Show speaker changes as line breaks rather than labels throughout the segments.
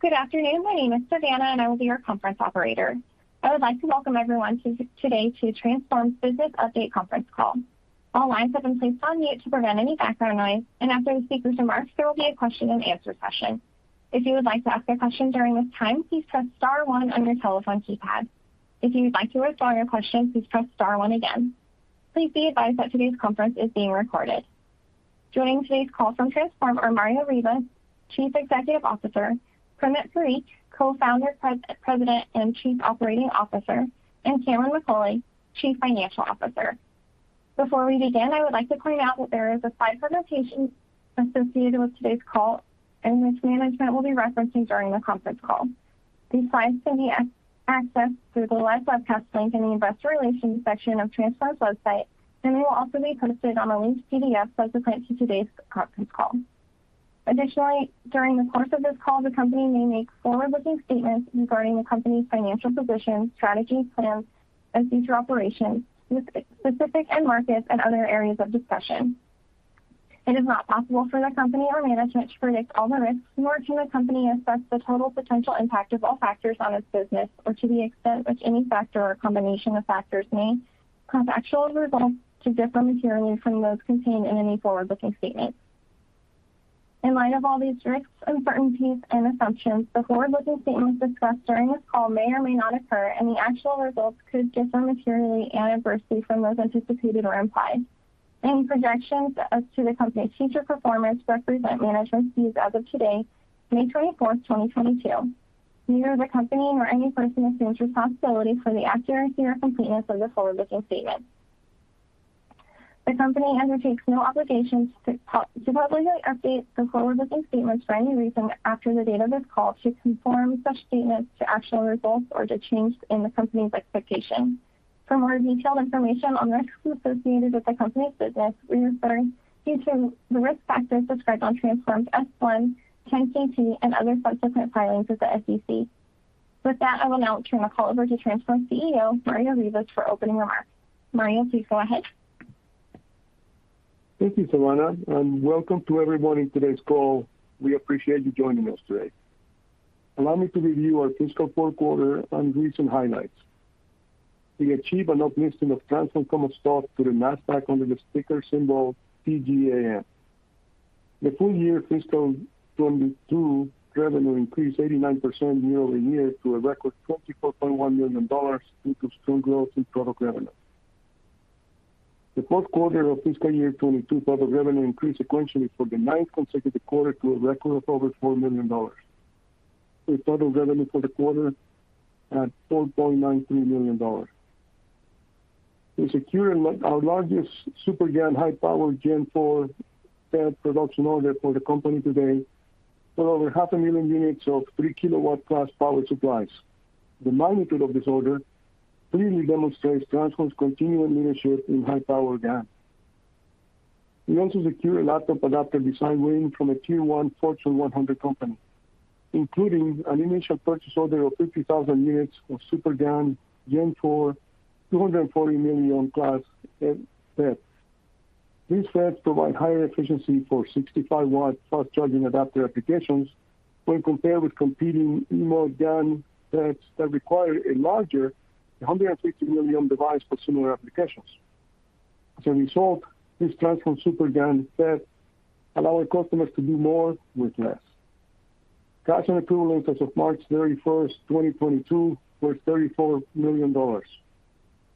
Good afternoon. My name is Savannah, and I will be your conference operator. I would like to welcome everyone today to Transphorm's Business Update conference call. All lines have been placed on mute to prevent any background noise, and after the speakers' remarks, there will be a question-and-answer session. If you would like to ask a question during this time, please press star one on your telephone keypad. If you would like to withdraw your question, please press star one again. Please be advised that today's conference is being recorded. Joining today's call from Transphorm are Mario Rivas, Chief Executive Officer, Primit Parikh, Co-founder, President and Chief Operating Officer, and Cameron McAulay, Chief Financial Officer. Before we begin, I would like to point out that there is a slide presentation associated with today's call and which management will be referencing during the conference call. These slides can be accessed through the live webcast link in the investor relations section of Transphorm's website, and they will also be posted on a linked PDF specific to today's conference call. Additionally, during the course of this call, the company may make forward-looking statements regarding the company's financial position, strategy, plans and future operations, specific end markets and other areas of discussion. It is not possible for the company or management to predict all the risks nor can the company assess the total potential impact of all factors on its business or to the extent which any factor or combination of factors may cause actual results to differ materially from those contained in any forward-looking statement. In light of all these risks, uncertainties and assumptions, the forward-looking statements discussed during this call may or may not occur, and the actual results could differ materially and adversely from those anticipated or implied. Any projections as to the company's future performance represent management's views as of today, May 24, 2022. Neither the company nor any person assumes responsibility for the accuracy or completeness of the forward-looking statements. The company undertakes no obligation to publicly update the forward-looking statements for any reason after the date of this call to conform such statements to actual results or to change in the company's expectations. For more detailed information on the risks associated with the company's business, we refer you to the risk factors described on Transphorm's S-1, 10-K and other subsequent filings with the SEC. With that, I will now turn the call over to Transphorm CEO, Mario Rivas for opening remarks. Mario, please go ahead.
Thank you, Savannah, and welcome to everyone in today's call. We appreciate you joining us today. Allow me to review our fiscal fourth quarter and recent highlights. We achieved an uplisting of Transphorm common stock to the Nasdaq under the ticker symbol TGAN. The full year fiscal 2022 revenue increased 89% year-over-year to a record $24.1 million due to strong growth in product revenue. The fourth quarter of fiscal year 2022 product revenue increased sequentially for the ninth consecutive quarter to a record of over $4 million, with total revenue for the quarter at $4.93 million. We secured our largest SuperGaN high-power Gen IV FET production order for the company to date for over half a million units of 3-kilowatt-class power supplies. The magnitude of this order clearly demonstrates Transphorm's continuing leadership in high-power GaN. We secured a laptop adapter design win from a Tier 1 Fortune 100 company, including an initial purchase order of 50,000 units of SuperGaN Gen IV 240 mΩ class FET. These FETs provide higher efficiency for 65-watt fast-charging adapter applications when compared with competing e-mode GaN FETs that require a larger 160 mΩ device for similar applications. As a result, this Transphorm SuperGaN V FET allow our customers to do more with less. Cash and equivalents as of March 31st, 2022, were $34 million.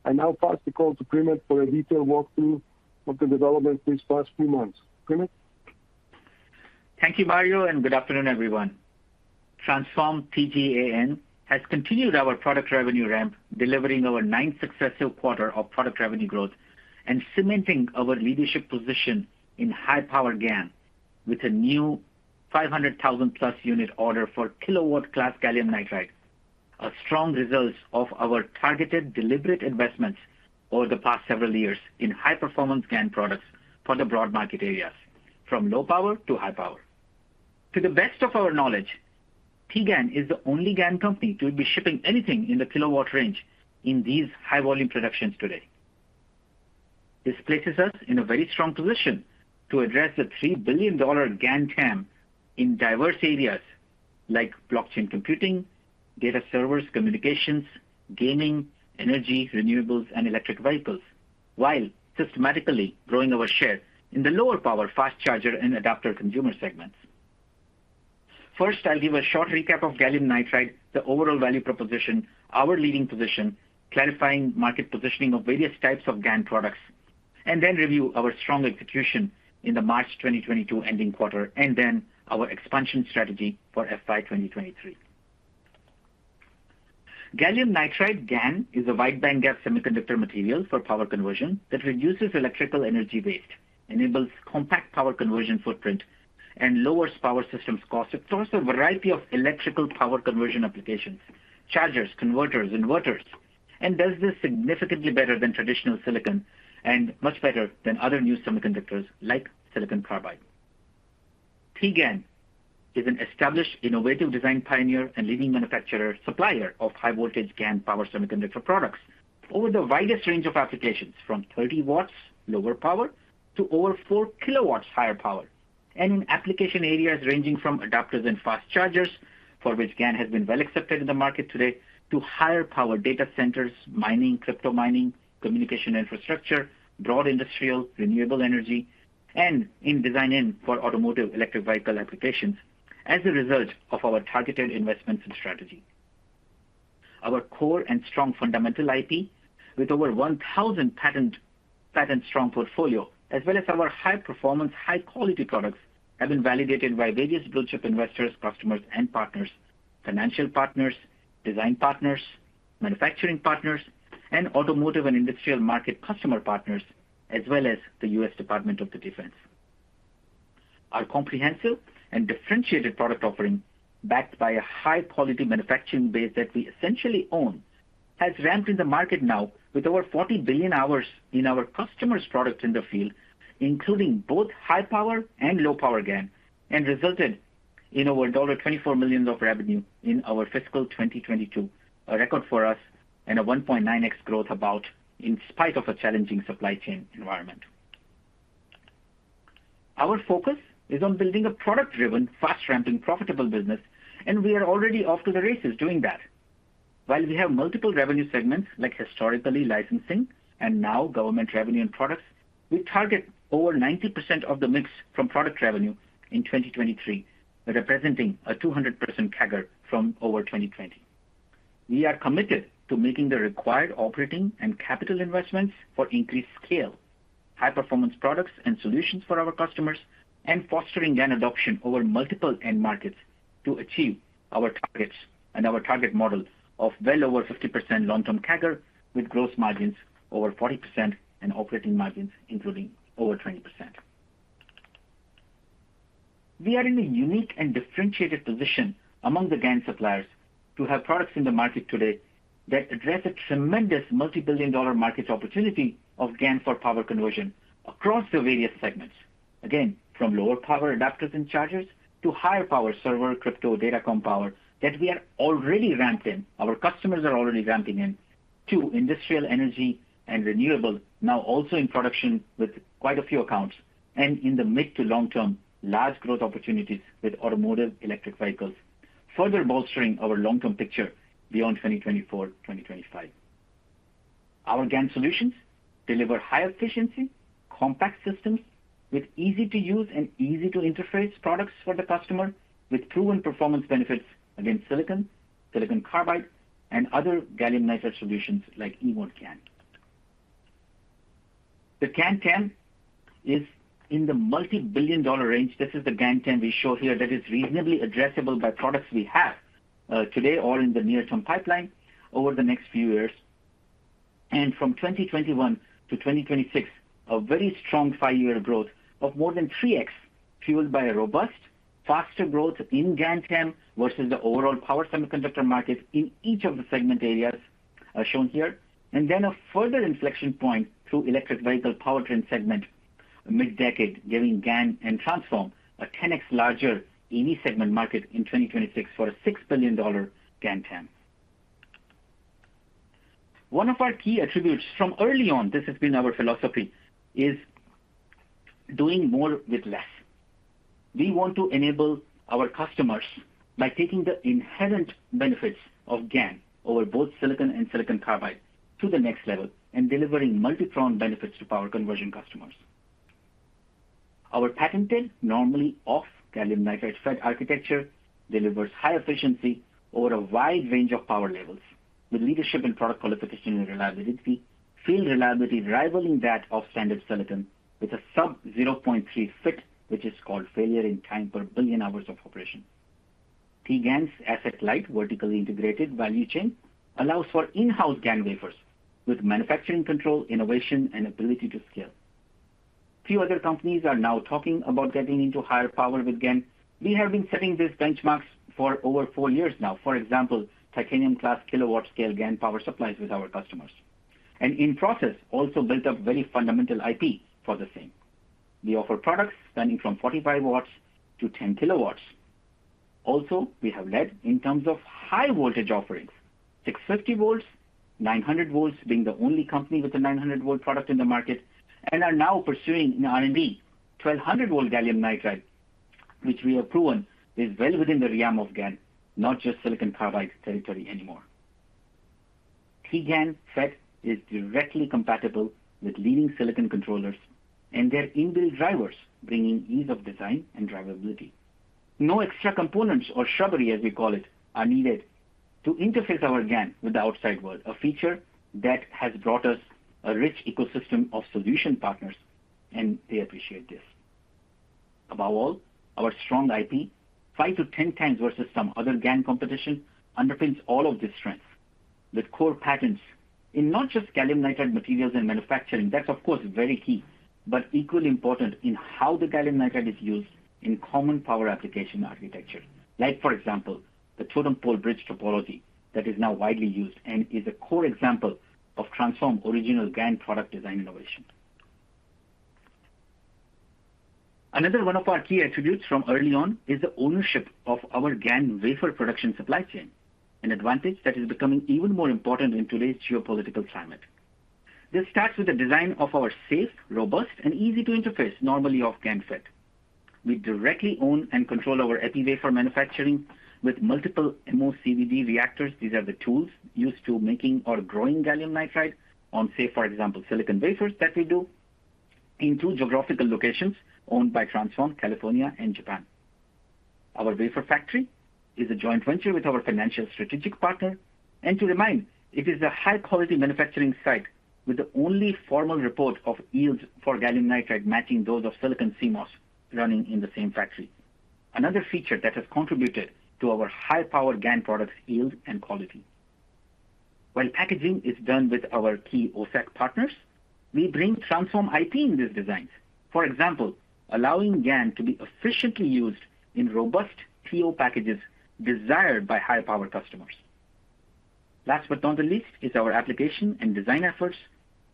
I now pass the call to Primit Parikh for a detailed walkthrough of the developments these past few months. Primit Parikh.
Thank you, Mario, and good afternoon, everyone. Transphorm, TGAN, has continued our product revenue ramp, delivering our ninth successive quarter of product revenue growth and cementing our leadership position in high-power GaN with a new 500,000+ unit order for kilowatt class gallium nitride. A strong result of our targeted deliberate investments over the past several years in high-performance GaN products for the broad market areas, from low power to high power. To the best of our knowledge, TGAN is the only GaN company to be shipping anything in the kilowatt range in these high volume productions today. This places us in a very strong position to address the $3 billion GaN TAM in diverse areas like blockchain computing, data servers, communications, gaming, energy, renewables and electric vehicles, while systematically growing our share in the lower power fast charger and adapter consumer segments. First, I'll give a short recap of gallium nitride, the overall value proposition, our leading position, clarifying market positioning of various types of GaN products, and then review our strong execution in the March 2022 ending quarter and then our expansion strategy for FY 2023. Gallium nitride, GaN, is a wide bandgap semiconductor material for power conversion that reduces electrical energy waste, enables compact power conversion footprint and lowers power systems cost across a variety of electrical power conversion applications, chargers, converters, inverters, and does this significantly better than traditional silicon and much better than other new semiconductors like silicon carbide. TGAN is an established innovative design pioneer and leading manufacturer supplier of high voltage GaN power semiconductor products over the widest range of applications, from 30 W lower power to over 4 kW higher power. In application areas ranging from adapters and fast chargers, for which GaN has been well accepted in the market today, to higher power data centers, mining, crypto mining, communication infrastructure, broad industrial, renewable energy, and in design-in for automotive electric vehicle applications as a result of our targeted investments and strategy. Our core and strong fundamental IP with over 1,000 patent-strong portfolio, as well as our high-performance, high-quality products, have been validated by various blue-chip investors, customers and partners, financial partners, design partners, manufacturing partners, and automotive and industrial market customer partners, as well as the U.S. Department of Defense. Our comprehensive and differentiated product offering, backed by a high-quality manufacturing base that we essentially own, has ramped in the market now with over 40 billion hours in our customers' products in the field, including both high power and low power GaN, and resulted in over $24 million of revenue in our fiscal 2022, a record for us and a 1.9x growth about in spite of a challenging supply chain environment. Our focus is on building a product-driven, fast-ramping, profitable business, and we are already off to the races doing that. While we have multiple revenue segments like historically licensing and now government revenue and products, we target over 90% of the mix from product revenue in 2023, representing a 200% CAGR from 2020. We are committed to making the required operating and capital investments for increased scale, high-performance products and solutions for our customers, and fostering GaN adoption over multiple end markets to achieve our targets and our target model of well over 50% long-term CAGR with gross margins over 40% and operating margins including over 20%. We are in a unique and differentiated position among the GaN suppliers to have products in the market today that address a tremendous multi-billion-dollar market opportunity of GaN for power conversion across the various segments. Again, from lower power adapters and chargers to higher power server, crypto, datacom power that we are already ramped in, our customers are already ramping in to industrial energy and renewable now also in production with quite a few accounts and in the mid to long term, large growth opportunities with automotive electric vehicles, further bolstering our long-term picture beyond 2024, 2025. Our GaN solutions deliver high efficiency, compact systems with easy-to-use and easy to interface products for the customer with proven performance benefits against silicon carbide and other gallium nitride solutions like e-mode GaN. The GaN TAM is in the multi-billion-dollar range. This is the GaN TAM we show here that is reasonably addressable by products we have, today or in the near-term pipeline over the next few years. From 2021 to 2026, a very strong 5-year growth of more than 3x fueled by a robust, faster growth in GaN TAM versus the overall power semiconductor market in each of the segment areas, shown here. Then a further inflection point through electric vehicle powertrain segment mid-decade, giving GaN and Transphorm a 10x larger EV segment market in 2026 for a $6 billion GaN TAM. One of our key attributes from early on, this has been our philosophy, is doing more with less. We want to enable our customers by taking the inherent benefits of GaN over both silicon and silicon carbide to the next level and delivering multi-pronged benefits to power conversion customers. Our patented, normally off gallium nitride FET architecture delivers high efficiency over a wide range of power levels with leadership in product qualification and reliability, field reliability rivaling that of standard silicon with a sub 0.3 FIT, which is called failure in time per billion hours of operation. Few other companies are now talking about getting into higher power with GaN. We have been setting these benchmarks for over 4 years now. For example, Titanium-class kilowatt-scale GaN power supplies with our customers. In process, also built up very fundamental IP for the same. We offer products ranging from 45 watts to 10 kilowatts. Also, we have led in terms of high voltage offerings, 650 volts, 900 volts, being the only company with a 900-volt product in the market and are now pursuing in R&D 1200-volt gallium nitride, which we have proven is well within the realm of GaN, not just silicon carbide territory anymore. No extra components or shrubbery, as we call it, are needed to interface our GaN with the outside world, a feature that has brought us a rich ecosystem of solution partners, and they appreciate this. Above all, our strong IP, 5x-10x versus some other GaN competition, underpins all of these strengths with core patents in not just gallium nitride materials and manufacturing, that's of course very key, but equally important in how the gallium nitride is used in common power application architecture. Like for example, the totem-pole bridge topology that is now widely used and is a core example of Transphorm original GaN product design innovation. Another one of our key attributes from early on is the ownership of our GaN wafer production supply chain, an advantage that is becoming even more important in today's geopolitical climate. This starts with the design of our safe, robust, and easy to interface normally-off GaN FET. We directly own and control our epi wafer manufacturing with multiple MOCVD reactors. These are the tools used for making or growing gallium nitride on, say, for example, silicon wafers that we do in two geographical locations owned by Transphorm, California and Japan. Our wafer factory is a joint venture with our financial strategic partner. To remind, it is a high-quality manufacturing site with the only formal report of yields for gallium nitride matching those of silicon CMOS running in the same factory. Another feature that has contributed to our high-power GaN products yield and quality. While packaging is done with our key OSAT partners, we bring Transphorm IP in these designs. For example, allowing GaN to be efficiently used in robust TO packages desired by high-power customers. Last but not the least is our application and design efforts,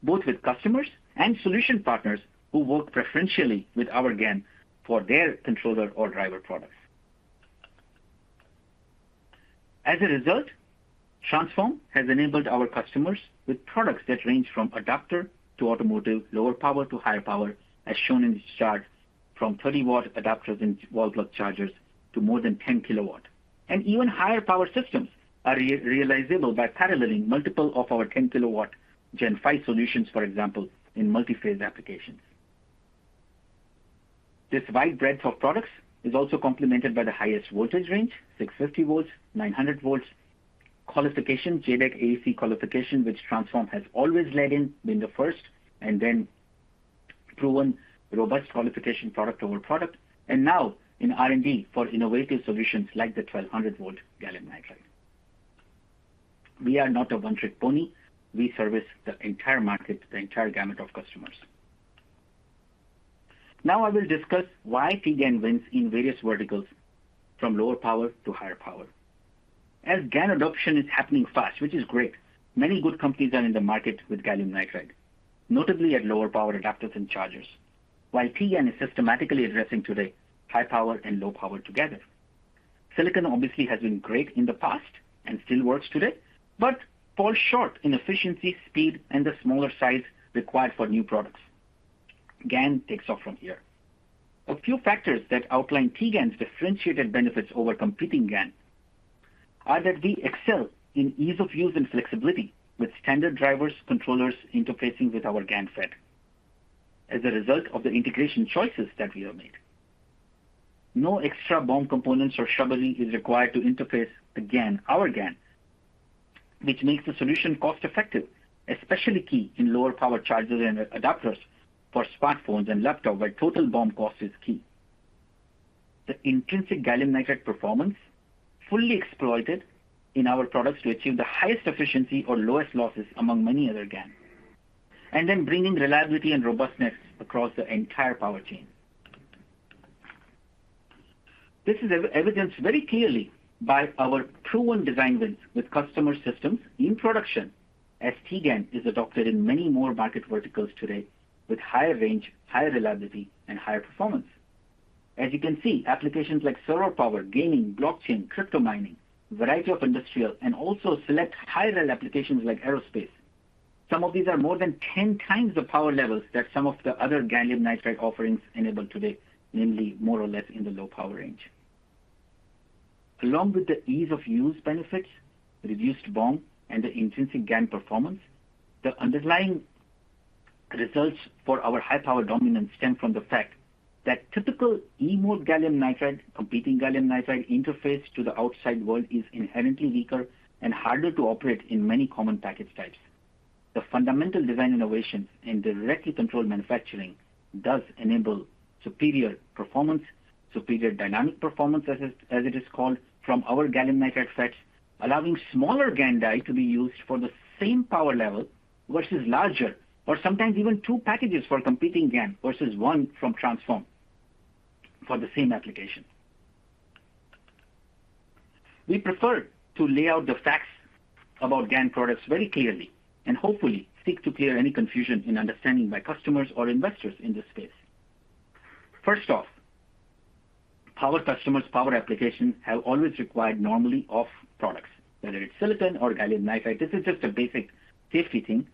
both with customers and solution partners who work preferentially with our GaN for their controller or driver products. As a result, Transphorm has enabled our customers with products that range from adapter to automotive, lower power to higher power, as shown in this chart, from 30-watt adapters and wall plug chargers to more than 10 kilowatt. Even higher power systems are realizable by paralleling multiple of our 10 kW Gen V solutions, for example, in multi-phase applications. This wide breadth of products is also complemented by the highest voltage range, 650 volts, 900 volts, qualification, JEDEC AEC qualification, which Transphorm has always led in, been the first, and then proven robust qualification product over product. Now in R&D for innovative solutions like the 1200-volt gallium nitride. We are not a one-trick pony. We service the entire market, the entire gamut of customers. Now I will discuss why T-GaN wins in various verticals from lower power to higher power. As GaN adoption is happening fast, which is great, many good companies are in the market with gallium nitride, notably at lower power adapters and chargers. While T-GaN is systematically addressing today high power and low power together. Silicon obviously has been great in the past and still works today, but falls short in efficiency, speed, and the smaller size required for new products. GaN takes off from here. A few factors that outline T-GaN's differentiated benefits over competing GaN are that we excel in ease of use and flexibility with standard drivers, controllers interfacing with our GaN FET. As a result of the integration choices that we have made, no extra BOM components or shimming is required to interface the GaN, which makes the solution cost-effective, especially key in lower power chargers and adapters for smartphones and laptop, where total BOM cost is key. The intrinsic gallium nitride performance fully exploited in our products to achieve the highest efficiency or lowest losses among many other GaN, and then bringing reliability and robustness across the entire power chain. This is evidenced very clearly by our proven design wins with customer systems in production as T-GaN is adopted in many more market verticals today with higher range, higher reliability, and higher performance. As you can see, applications like solar power, gaming, blockchain, crypto mining, variety of industrial, and also select high-rel applications like aerospace. Some of these are more than 10x the power levels that some of the other gallium nitride offerings enable today, namely more or less in the low power range. Along with the ease of use benefits, reduced BOM, and the intrinsic GaN performance, the underlying results for our high power dominance stem from the fact that typical e-mode gallium nitride, competing gallium nitride interface to the outside world is inherently weaker and harder to operate in many common package types. The fundamental design innovations in directly controlled manufacturing does enable superior performance, superior dynamic performance as it is called, from our gallium nitride FET, allowing smaller GaN die to be used for the same power level versus larger or sometimes even two packages for competing GaN versus one from Transphorm for the same application. We prefer to lay out the facts about GaN products very clearly and hopefully seek to clear any confusion in understanding by customers or investors in this space. First off, power customers, power applications have always required normally off products, whether it's silicon or gallium nitride. This is just a basic safety thing.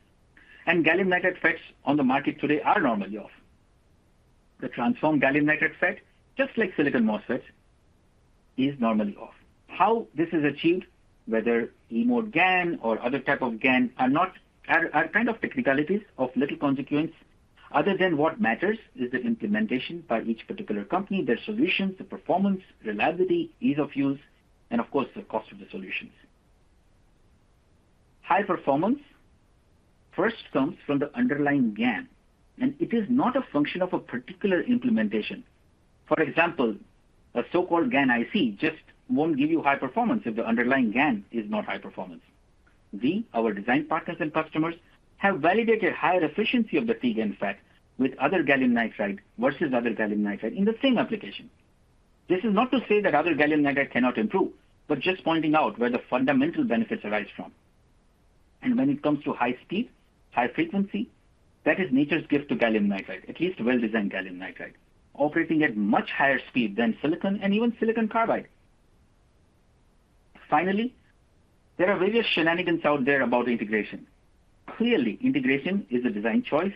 Gallium nitride FETs on the market today are normally off. The Transphorm gallium nitride FET, just like silicon MOSFET, is normally off. How this is achieved, whether e-mode GaN or other type of GaN are kind of technicalities of little consequence other than what matters is the implementation by each particular company, their solutions, the performance, reliability, ease of use, and of course, the cost of the solutions. High performance first comes from the underlying GaN, and it is not a function of a particular implementation. For example, a so-called GaN IC just won't give you high performance if the underlying GaN is not high performance. We, our design partners and customers, have validated higher efficiency of the T-GaN FET with other gallium nitride versus other gallium nitride in the same application. This is not to say that other gallium nitride cannot improve, but just pointing out where the fundamental benefits arise from. When it comes to high speed, high frequency, that is nature's gift to gallium nitride, at least well-designed gallium nitride, operating at much higher speed than silicon and even silicon carbide. Finally, there are various shenanigans out there about integration. Clearly, integration is a design choice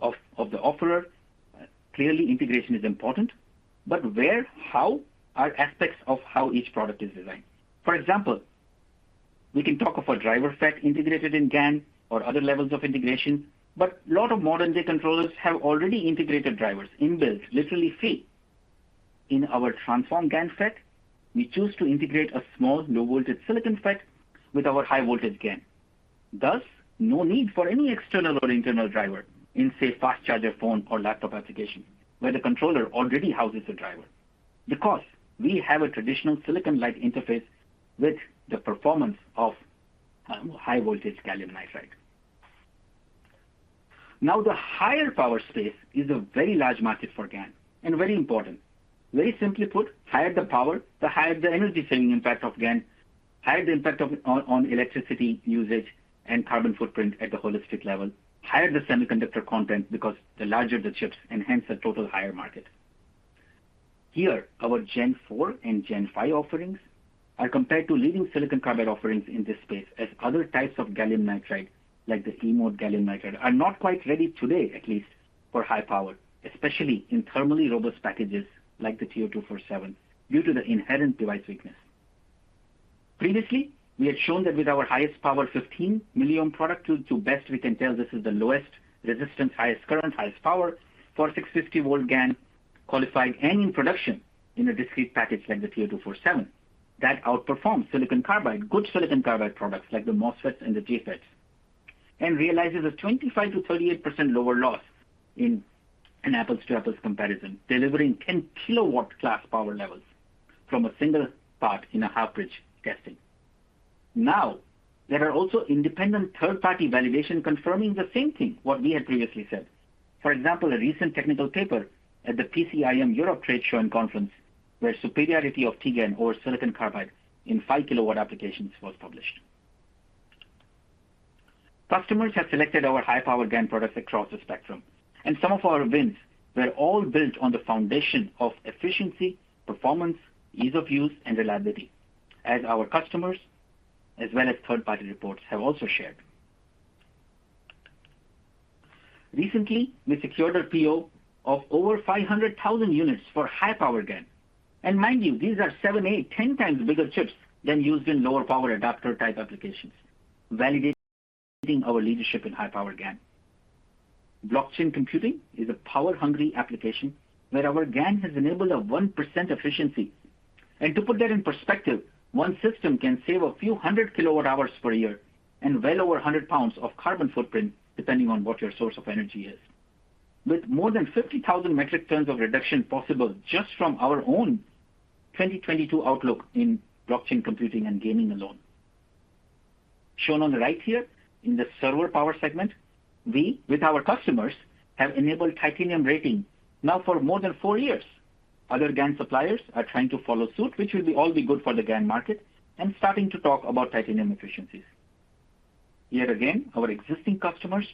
of the offeror. Clearly, integration is important, but where, how are aspects of how each product is designed. For example, we can talk of a driver FET integrated in GaN or other levels of integration, but a lot of modern-day controllers have already integrated drivers inbuilt literally free. In our Transphorm GaN FET, we choose to integrate a small low voltage silicon FET with our high voltage GaN. Thus, no need for any external or internal driver in, say, fast charger phone or laptop application where the controller already houses the driver. Because we have a traditional silicon-like interface with the performance of high voltage gallium nitride. Now, the higher power space is a very large market for GaN and very important. Very simply put, higher the power, the higher the energy saving impact of GaN, higher the impact on electricity usage and carbon footprint at the holistic level. Higher the semiconductor content because the larger the chips and hence the total higher market. Here, our Gen IV and Gen V offerings are compared to leading silicon carbide offerings in this space as other types of gallium nitride, like the e-mode GaN, are not quite ready today, at least for high power, especially in thermally robust packages like the TO-247 due to the inherent device weakness. Previously, we had shown that with our highest power 15 mΩ product. To best we can tell this is the lowest resistance, highest current, highest power for 650 V GaN qualified and in production in a discrete package like the TO-247. That outperforms silicon carbide, good silicon carbide products like the MOSFET and the JFET, and realizes a 25%-38% lower loss in an apples-to-apples comparison, delivering 10 kW-class power levels from a single part in a half-bridge testing. Now, there are also independent third-party validation confirming the same thing, what we had previously said. For example, a recent technical paper at the PCIM Europe Trade Show and Conference, where superiority of T-GaN over silicon carbide in 5-kilowatt applications was published. Customers have selected our high-power GaN products across the spectrum, and some of our wins were all built on the foundation of efficiency, performance, ease of use and reliability, as our customers as well as third-party reports have also shared. Recently, we secured a PO of over 500,000 units for high-power GaN. Mind you, these are 7, 8, 10 times bigger chips than used in lower-power adapter type applications, validating our leadership in high-power GaN. Blockchain computing is a power-hungry application where our GaN has enabled a 1% efficiency. To put that in perspective, one system can save a few hundred kilowatt hours per year and well over 100 pounds of carbon footprint, depending on what your source of energy is. With more than 50,000 metric tons of reduction possible just from our own 2022 outlook in blockchain computing and gaming alone. Shown on the right here in the server power segment, we, with our customers, have enabled titanium rating now for more than 4 years. Other GaN suppliers are trying to follow suit, which will all be good for the GaN market, and starting to talk about titanium efficiencies. Yet again, our existing customers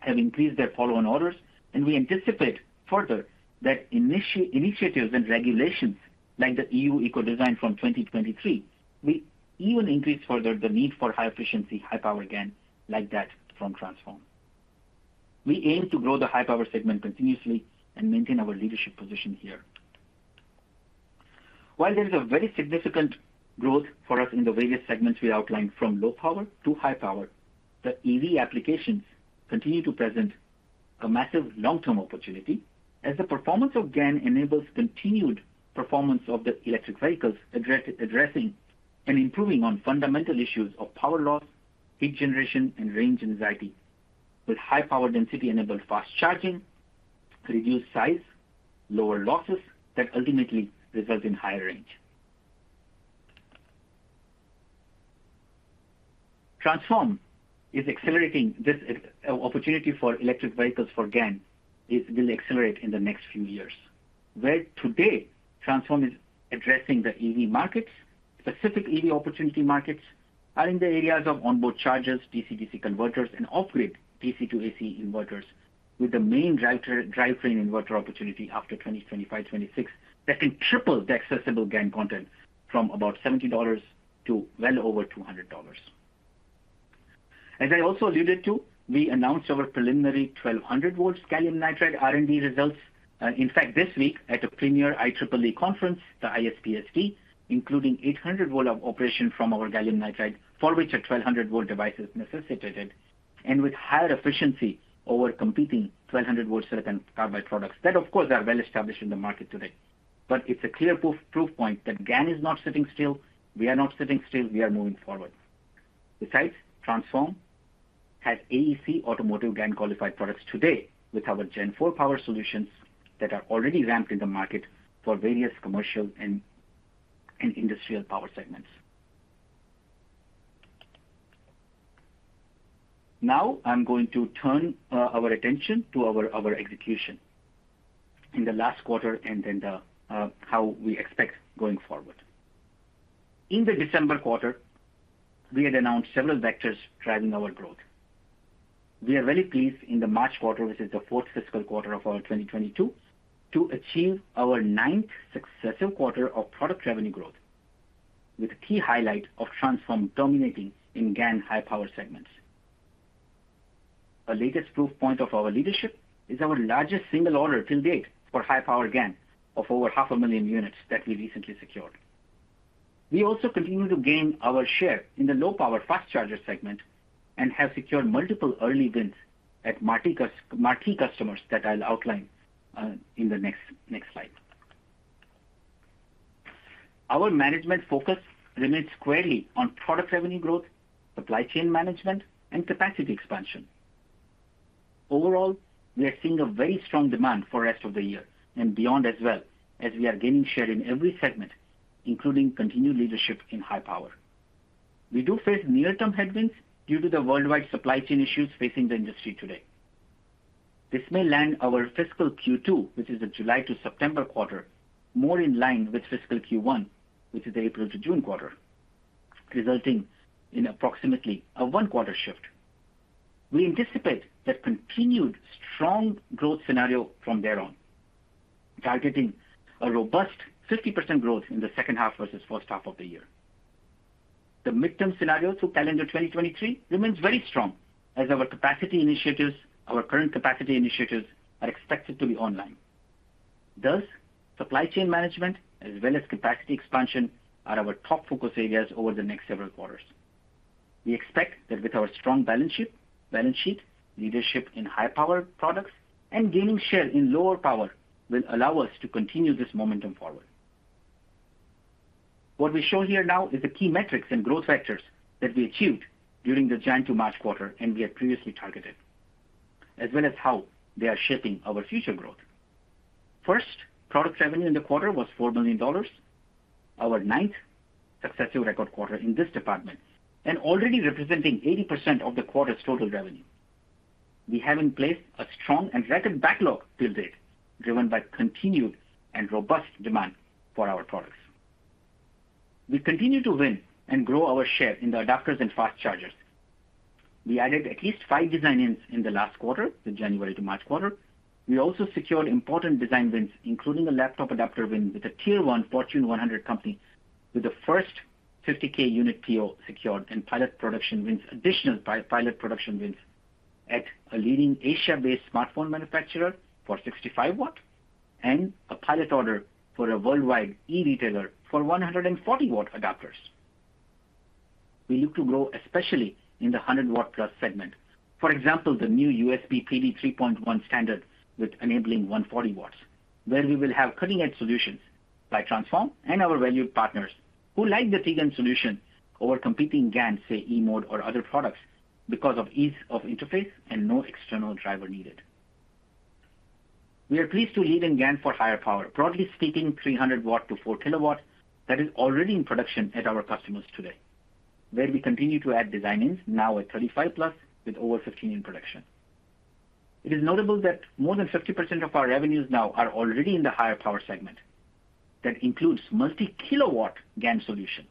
have increased their follow-on orders, and we anticipate further that initiatives and regulations like the EU Ecodesign from 2023 will even increase further the need for high efficiency, high power GaN like that from Transphorm. We aim to grow the high power segment continuously and maintain our leadership position here. While there is a very significant growth for us in the various segments we outlined from low power to high power, the EV applications continue to present a massive long-term opportunity as the performance of GaN enables continued performance of the electric vehicles, addressing and improving on fundamental issues of power loss, heat generation and range anxiety. With high power density enabled fast charging, reduced size, lower losses that ultimately result in higher range. Transphorm is accelerating this opportunity for electric vehicles for GaN will accelerate in the next few years. Today Transphorm is addressing the EV markets. Specific EV opportunity markets are in the areas of onboard chargers, DC/DC converters and off-grid DC to AC inverters with the main driver, drivetrain inverter opportunity after 2025, 2026 that can triple the accessible GaN content from about $70 to well over $200. As I also alluded to, we announced our preliminary 1200-volt gallium nitride R&D results, in fact this week at a premier IEEE conference, the ISPSD, including 800-volt operation from our gallium nitride, for which a 1200-volt device is necessitated, and with higher efficiency over competing 1200-volt silicon carbide products that of course are well established in the market today. It's a clear proof point that GaN is not sitting still. We are not sitting still, we are moving forward. Besides, Transphorm has AEC automotive GaN qualified products today with our gen four power solutions that are already ramped in the market for various commercial and industrial power segments. Now, I'm going to turn our attention to our execution. In the last quarter and then how we expect going forward. In the December quarter, we had announced several vectors driving our growth. We are very pleased in the March quarter, which is the fourth fiscal quarter of our 2022, to achieve our ninth successive quarter of product revenue growth, with a key highlight of Transphorm dominating in GaN high power segments. Our latest proof point of our leadership is our largest single order till date for high power GaN of over half a million units that we recently secured. We also continue to gain our share in the low power fast charger segment and have secured multiple early wins at major key customers that I'll outline in the next slide. Our management focus remains squarely on product revenue growth, supply chain management, and capacity expansion. Overall, we are seeing a very strong demand for the rest of the year and beyond as well as we are gaining share in every segment, including continued leadership in high power. We do face near-term headwinds due to the worldwide supply chain issues facing the industry today. This may land our fiscal Q2, which is the July to September quarter, more in line with fiscal Q1, which is April to June quarter, resulting in approximately a one-quarter shift. We anticipate that continued strong growth scenario from there on, targeting a robust 50% growth in the second half versus first half of the year. The mid-term scenario to calendar 2023 remains very strong as our capacity initiatives, our current capacity initiatives are expected to be online. Thus, supply chain management as well as capacity expansion are our top focus areas over the next several quarters. We expect that with our strong balance sheet, leadership in high power products and gaining share in lower power will allow us to continue this momentum forward. What we show here now is the key metrics and growth factors that we achieved during the Jan to March quarter, and we had previously targeted, as well as how they are shaping our future growth. First, product revenue in the quarter was $4 million. Our 9th successive record quarter in this department, already representing 80% of the quarter's total revenue. We have in place a strong and record backlog to date, driven by continued and robust demand for our products. We continue to win and grow our share in the adapters and fast chargers. We added at least five design-ins in the last quarter, the January to March quarter. We also secured important design wins, including a laptop adapter win with a Tier 1 Fortune 100 company with the first 50K unit PO secured, and pilot production wins, additional pilot production wins at a leading Asia-based smartphone manufacturer for 65 W, and a pilot order for a worldwide e-retailer for 140 W adapters. We look to grow especially in the 100 W-plus segment. For example, the new USB PD 3.1 standard with enabling 140 watts, where we will have cutting-edge solutions by Transphorm and our valued partners who like the TGAN solution over competing GaNs, say e-mode or other products because of ease of interface and no external driver needed. We are pleased to lead in GaN for higher power, broadly speaking, 300-watt to 4-kilowatt that is already in production at our customers today, where we continue to add design-ins now at 35+ with over 15 in production. It is notable that more than 50% of our revenues now are already in the higher power segment. That includes multi-kilowatt GaN solution.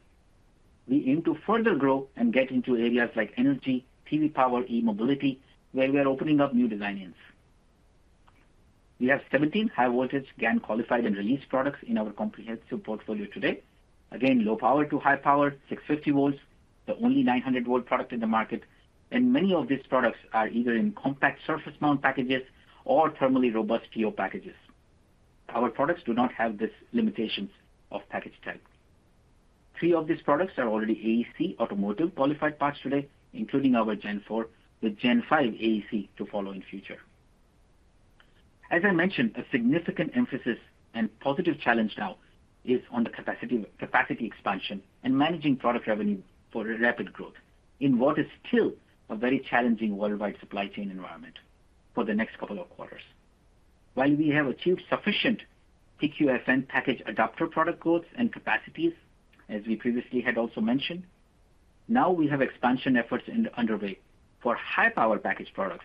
We aim to further grow and get into areas like energy, PV power, e-mobility, where we are opening up new design-ins. We have 17 high voltage GaN qualified and released products in our comprehensive portfolio today. Again, low power to high power, 650 volts, the only 900-volt product in the market, and many of these products are either in compact surface mount packages or thermally robust TO packages. Our products do not have these limitations of package type. Three of these products are already AEC automotive qualified parts today, including our Gen IV with Gen V AEC to follow in future. As I mentioned, a significant emphasis and positive challenge now is on the capacity expansion and managing product revenue for rapid growth in what is still a very challenging worldwide supply chain environment for the next couple of quarters. While we have achieved sufficient PQFN package adapter product codes and capacities, as we previously had also mentioned, now we have expansion efforts underway for high power package products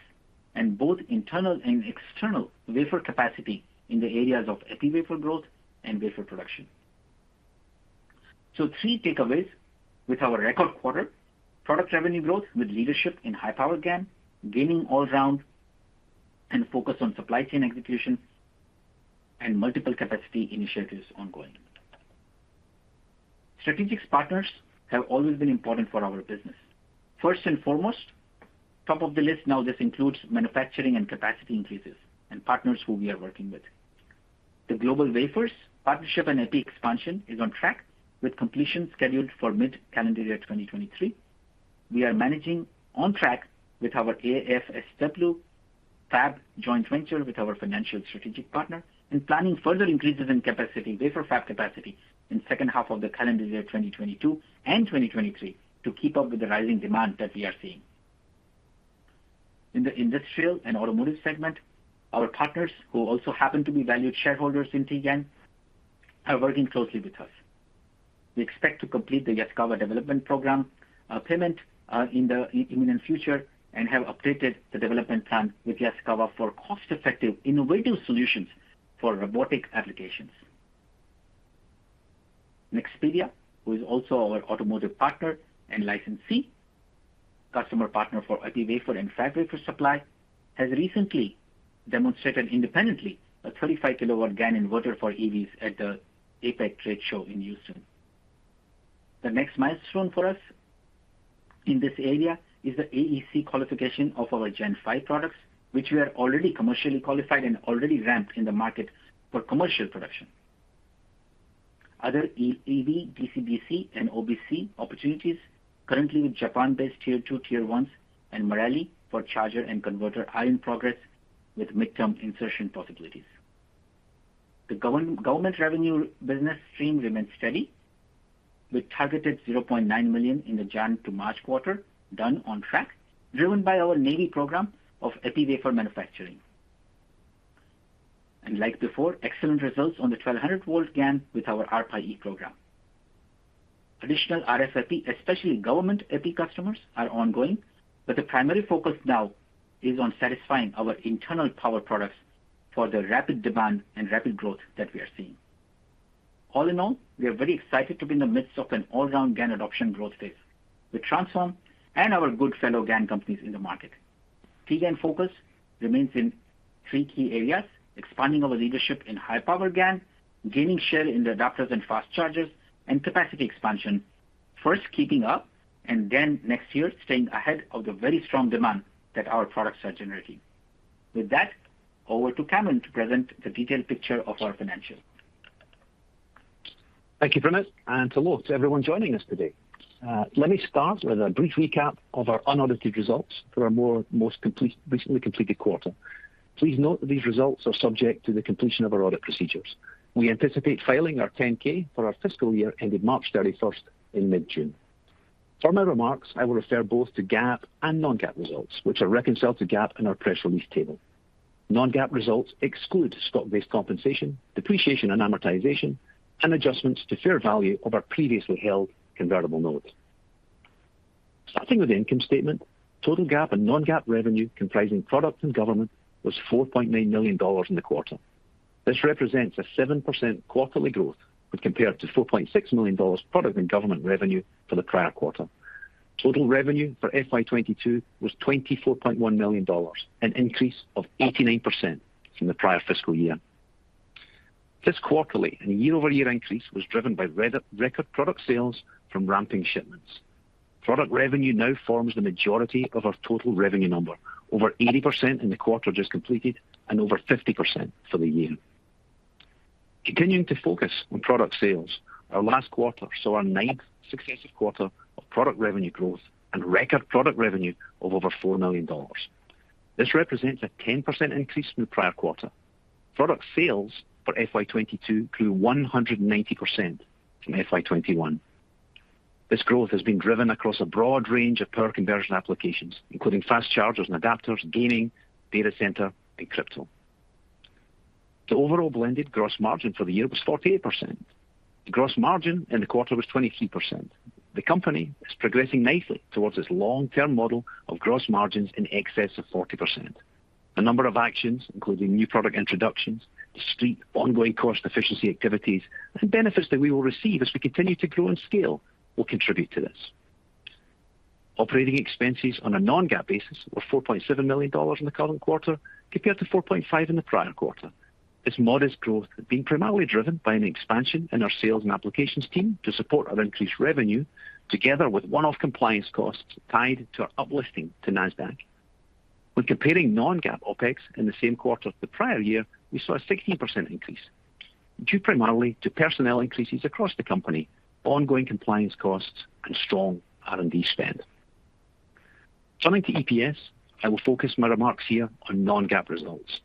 and both internal and external wafer capacity in the areas of epi wafer growth and wafer production. Three takeaways with our record quarter, product revenue growth with leadership in high power GaN and all-round and focus on supply chain execution and multiple capacity initiatives ongoing. Strategic partners have always been important for our business. First and foremost, top of the list now, this includes manufacturing and capacity increases and partners who we are working with. The GlobalWafers partnership and epi expansion is on track with completion scheduled for mid-calendar year 2023. We are managing on track with our AFSW fab joint venture with our financial strategic partner and planning further increases in capacity, wafer fab capacity in second half of the calendar year 2022 and 2023 to keep up with the rising demand that we are seeing. In the industrial and automotive segment, our partners, who also happen to be valued shareholders in TGAN, are working closely with us. We expect to complete the Yaskawa development program, payment, in the immediate future and have updated the development plan with Yaskawa for cost-effective, innovative solutions for robotic applications. Nexperia, who is also our automotive partner and licensee, customer partner for epi wafer and fab wafer supply, has recently demonstrated independently a 35-kilowatt GaN inverter for EVs at the APEC trade show in Houston. The next milestone for us in this area is the AEC qualification of our Gen Five products, which we are already commercially qualified and already ramped in the market for commercial production. Other EV, DC/DC and OBC opportunities currently with Japan-based Tier 2, Tier 1 and Marelli for charger and converter are in progress with midterm insertion possibilities. The government revenue business stream remains steady with targeted $0.9 million in the January to March quarter done on track, driven by our Navy program of epi wafer manufacturing. Like before, excellent results on the 1,200-volt GaN with our R-PIE program. Additional RFSP, especially government epi customers, are ongoing, but the primary focus now is on satisfying our internal power products for the rapid demand and rapid growth that we are seeing. All in all, we are very excited to be in the midst of an all-round GaN adoption growth phase with Transphorm and our good fellow GaN companies in the market. Transphorm's focus remains in three key areas, expanding our leadership in high-power GaN, gaining share in the adapters and fast chargers, and capacity expansion, first keeping up and then next year staying ahead of the very strong demand that our products are generating. With that, over to Cameron to present the detailed picture of our financials.
Thank you, Primit, and hello to everyone joining us today. Let me start with a brief recap of our unaudited results for our recently completed quarter. Please note that these results are subject to the completion of our audit procedures. We anticipate filing our 10-K for our fiscal year ended March 31 in mid-June. For my remarks, I will refer both to GAAP and non-GAAP results, which are reconciled to GAAP in our press release table. Non-GAAP results exclude stock-based compensation, depreciation and amortization, and adjustments to fair value of our previously held convertible notes. Starting with the income statement, total GAAP and non-GAAP revenue comprising products and government was $4.9 million in the quarter. This represents a 7% quarterly growth when compared to $4.6 million product and government revenue for the prior quarter. Total revenue for FY 2022 was $24.1 million, an increase of 89% from the prior fiscal year. This quarterly and year-over-year increase was driven by record product sales from ramping shipments. Product revenue now forms the majority of our total revenue number, over 80% in the quarter just completed and over 50% for the year. Continuing to focus on product sales, our last quarter saw our ninth successive quarter of product revenue growth and record product revenue of over $4 million. This represents a 10% increase from the prior quarter. Product sales for FY 2022 grew 190% from FY 2021. This growth has been driven across a broad range of power conversion applications, including fast chargers and adapters, gaming, data center, and crypto. The overall blended gross margin for the year was 48%. The gross margin in the quarter was 23%. The company is progressing nicely towards its long-term model of gross margins in excess of 40%. A number of actions, including new product introductions, discrete ongoing cost efficiency activities, and benefits that we will receive as we continue to grow and scale will contribute to this. Operating expenses on a non-GAAP basis were $4.7 million in the current quarter, compared to $4.5 million in the prior quarter. This modest growth has been primarily driven by an expansion in our sales and applications team to support our increased revenue, together with one-off compliance costs tied to our uplisting to Nasdaq. When comparing non-GAAP OpEx in the same quarter to the prior year, we saw a 16% increase, due primarily to personnel increases across the company, ongoing compliance costs and strong R&D spend. Turning to EPS, I will focus my remarks here on non-GAAP results.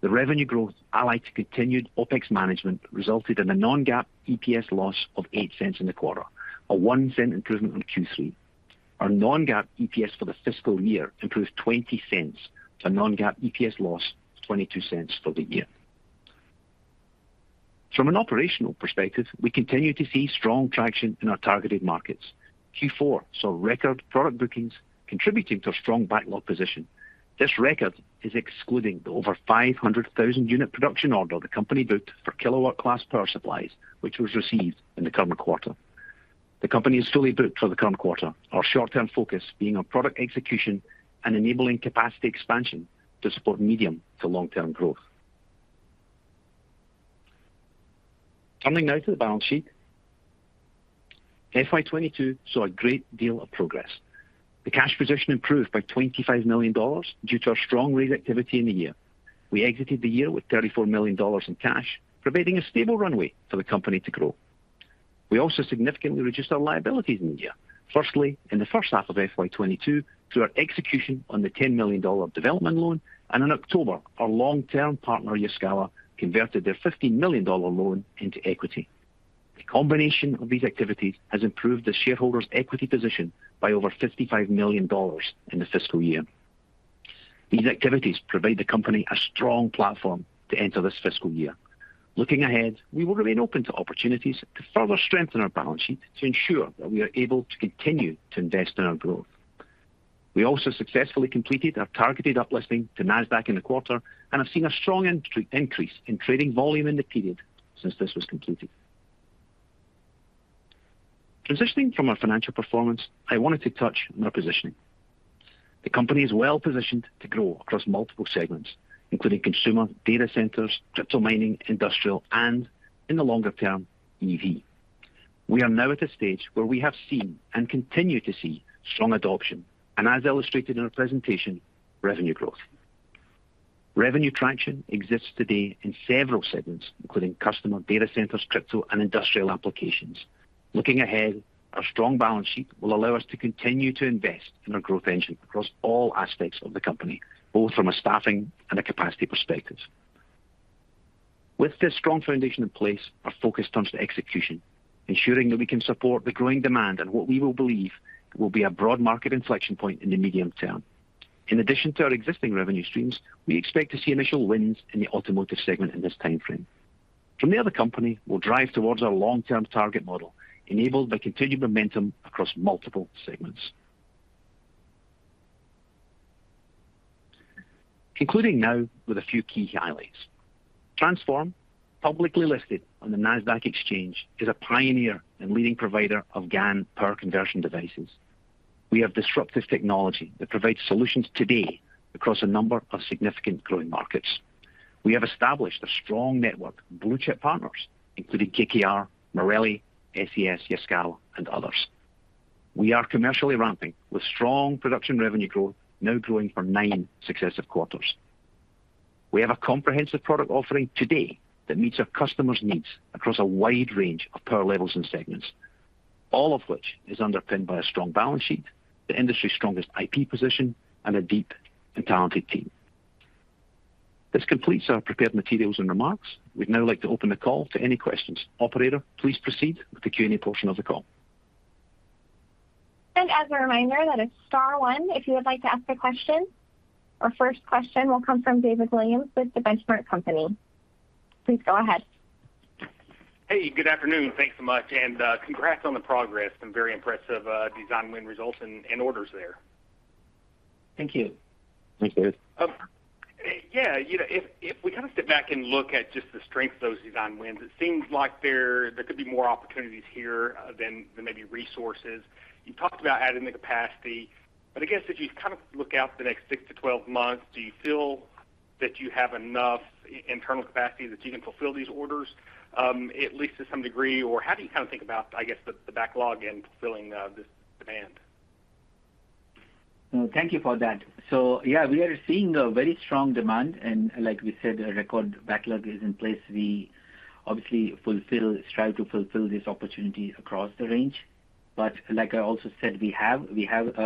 The revenue growth allied to continued OpEx management resulted in a non-GAAP EPS loss of $0.08 in the quarter, a $0.01 improvement on Q3. Our non-GAAP EPS for the fiscal year improved $0.20 to non-GAAP EPS loss of $0.22 for the year. From an operational perspective, we continue to see strong traction in our targeted markets. Q4 saw record product bookings contributing to a strong backlog position. This record is excluding the over 500,000-unit production order the company booked for kilowatt class power supplies, which was received in the current quarter. The company is fully booked for the current quarter. Our short-term focus being on product execution and enabling capacity expansion to support medium to long-term growth. Turning now to the balance sheet. FY 2022 saw a great deal of progress. The cash position improved by $25 million due to our strong raise activity in the year. We exited the year with $34 million in cash, providing a stable runway for the company to grow. We also significantly reduced our liabilities in the year, firstly in the first half of FY 2022 through our execution on the $10 million development loan and in October, our long-term partner Yaskawa converted their $15 million loan into equity. The combination of these activities has improved the shareholders' equity position by over $55 million in the fiscal year. These activities provide the company a strong platform to enter this fiscal year. Looking ahead, we will remain open to opportunities to further strengthen our balance sheet to ensure that we are able to continue to invest in our growth. We also successfully completed our targeted uplisting to Nasdaq in the quarter, and have seen a strong increase in trading volume in the period since this was completed. Transitioning from our financial performance, I wanted to touch on our positioning. The company is well-positioned to grow across multiple segments, including consumer, data centers, crypto mining, industrial, and in the longer term, EV. We are now at a stage where we have seen and continue to see strong adoption, and as illustrated in our presentation, revenue growth. Revenue traction exists today in several segments, including customer data centers, crypto and industrial applications. Looking ahead, our strong balance sheet will allow us to continue to invest in our growth engine across all aspects of the company, both from a staffing and a capacity perspective. With this strong foundation in place, our focus turns to execution, ensuring that we can support the growing demand and what we will believe will be a broad market inflection point in the medium term. In addition to our existing revenue streams, we expect to see initial wins in the automotive segment in this time frame. From there, the company will drive towards our long-term target model, enabled by continued momentum across multiple segments. Concluding now with a few key highlights. Transphorm, publicly listed on the Nasdaq exchange, is a pioneer and leading provider of GaN power conversion devices. We have disruptive technology that provides solutions today across a number of significant growing markets. We have established a strong network of blue-chip partners, including KKR, Marelli, SAS, Yaskawa and others. We are commercially ramping with strong production revenue growth now growing for nine successive quarters. We have a comprehensive product offering today that meets our customers' needs across a wide range of power levels and segments, all of which is underpinned by a strong balance sheet, the industry's strongest IP position and a deep and talented team. This completes our prepared materials and remarks. We'd now like to open the call to any questions. Operator, please proceed with the Q&A portion of the call.
As a reminder, that is star one if you would like to ask a question. Our first question will come from David Williams with The Benchmark Company. Please go ahead.
Hey, good afternoon, and thanks so much. Congrats on the progress and very impressive design win results and orders there.
Thank you.
Thank you.
Yeah, you know, if we kind of sit back and look at just the strength of those design wins, it seems like there could be more opportunities here than maybe resources. You talked about adding the capacity, but I guess if you kind of look out the next six months-12 months, do you feel that you have enough internal capacity that you can fulfill these orders, at least to some degree? Or how do you kind of think about, I guess, the backlog and fulfilling this demand?
No, thank you for that. Yeah, we are seeing a very strong demand and like we said, a record backlog is in place. We obviously strive to fulfill this opportunity across the range. Like I also said, we have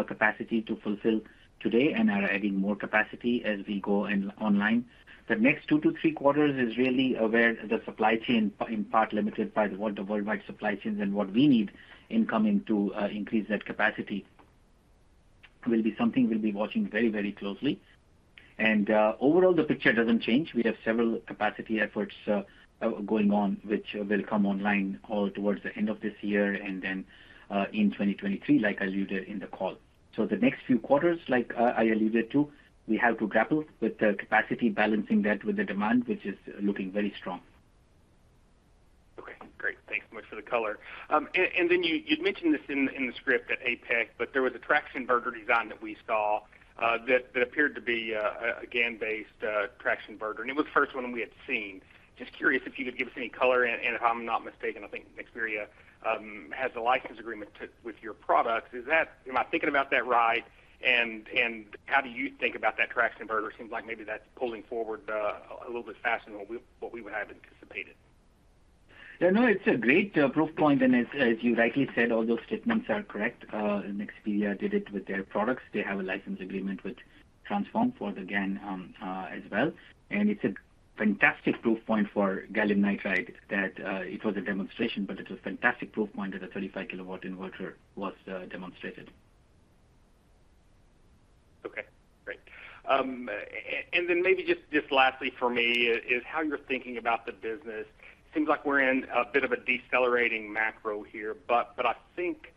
capacity to fulfill today and are adding more capacity as we go online. The next two to three quarters is really where the supply chain, in part limited by the worldwide supply chains and what we need in coming to increase that capacity will be something we'll be watching very, very closely. Overall, the picture doesn't change. We have several capacity efforts going on, which will come online all towards the end of this year and then in 2023, like alluded in the call. The next few quarters, like, I alluded to, we have to grapple with the capacity balancing that with the demand, which is looking very strong.
Okay, great. Thanks so much for the color. Then you had mentioned this in the script at APEC, but there was a traction inverter design that we saw that appeared to be a GaN-based traction inverter, and it was the first one we had seen. Just curious if you could give us any color, and if I'm not mistaken, I think Nexperia has a license agreement with your products. Am I thinking about that right? How do you think about that traction inverter? Seems like maybe that's pulling forward a little bit faster than what we would have anticipated.
Yeah, no, it's a great proof point. As you rightly said, all those statements are correct. Nexperia did it with their products. They have a license agreement with Transphorm for the GaN as well. It's a fantastic proof point for gallium nitride that it was a demonstration, but it was a fantastic proof point that a 35-kilowatt inverter was demonstrated.
Okay, great. Then maybe just lastly for me is how you're thinking about the business. Seems like we're in a bit of a decelerating macro here. I think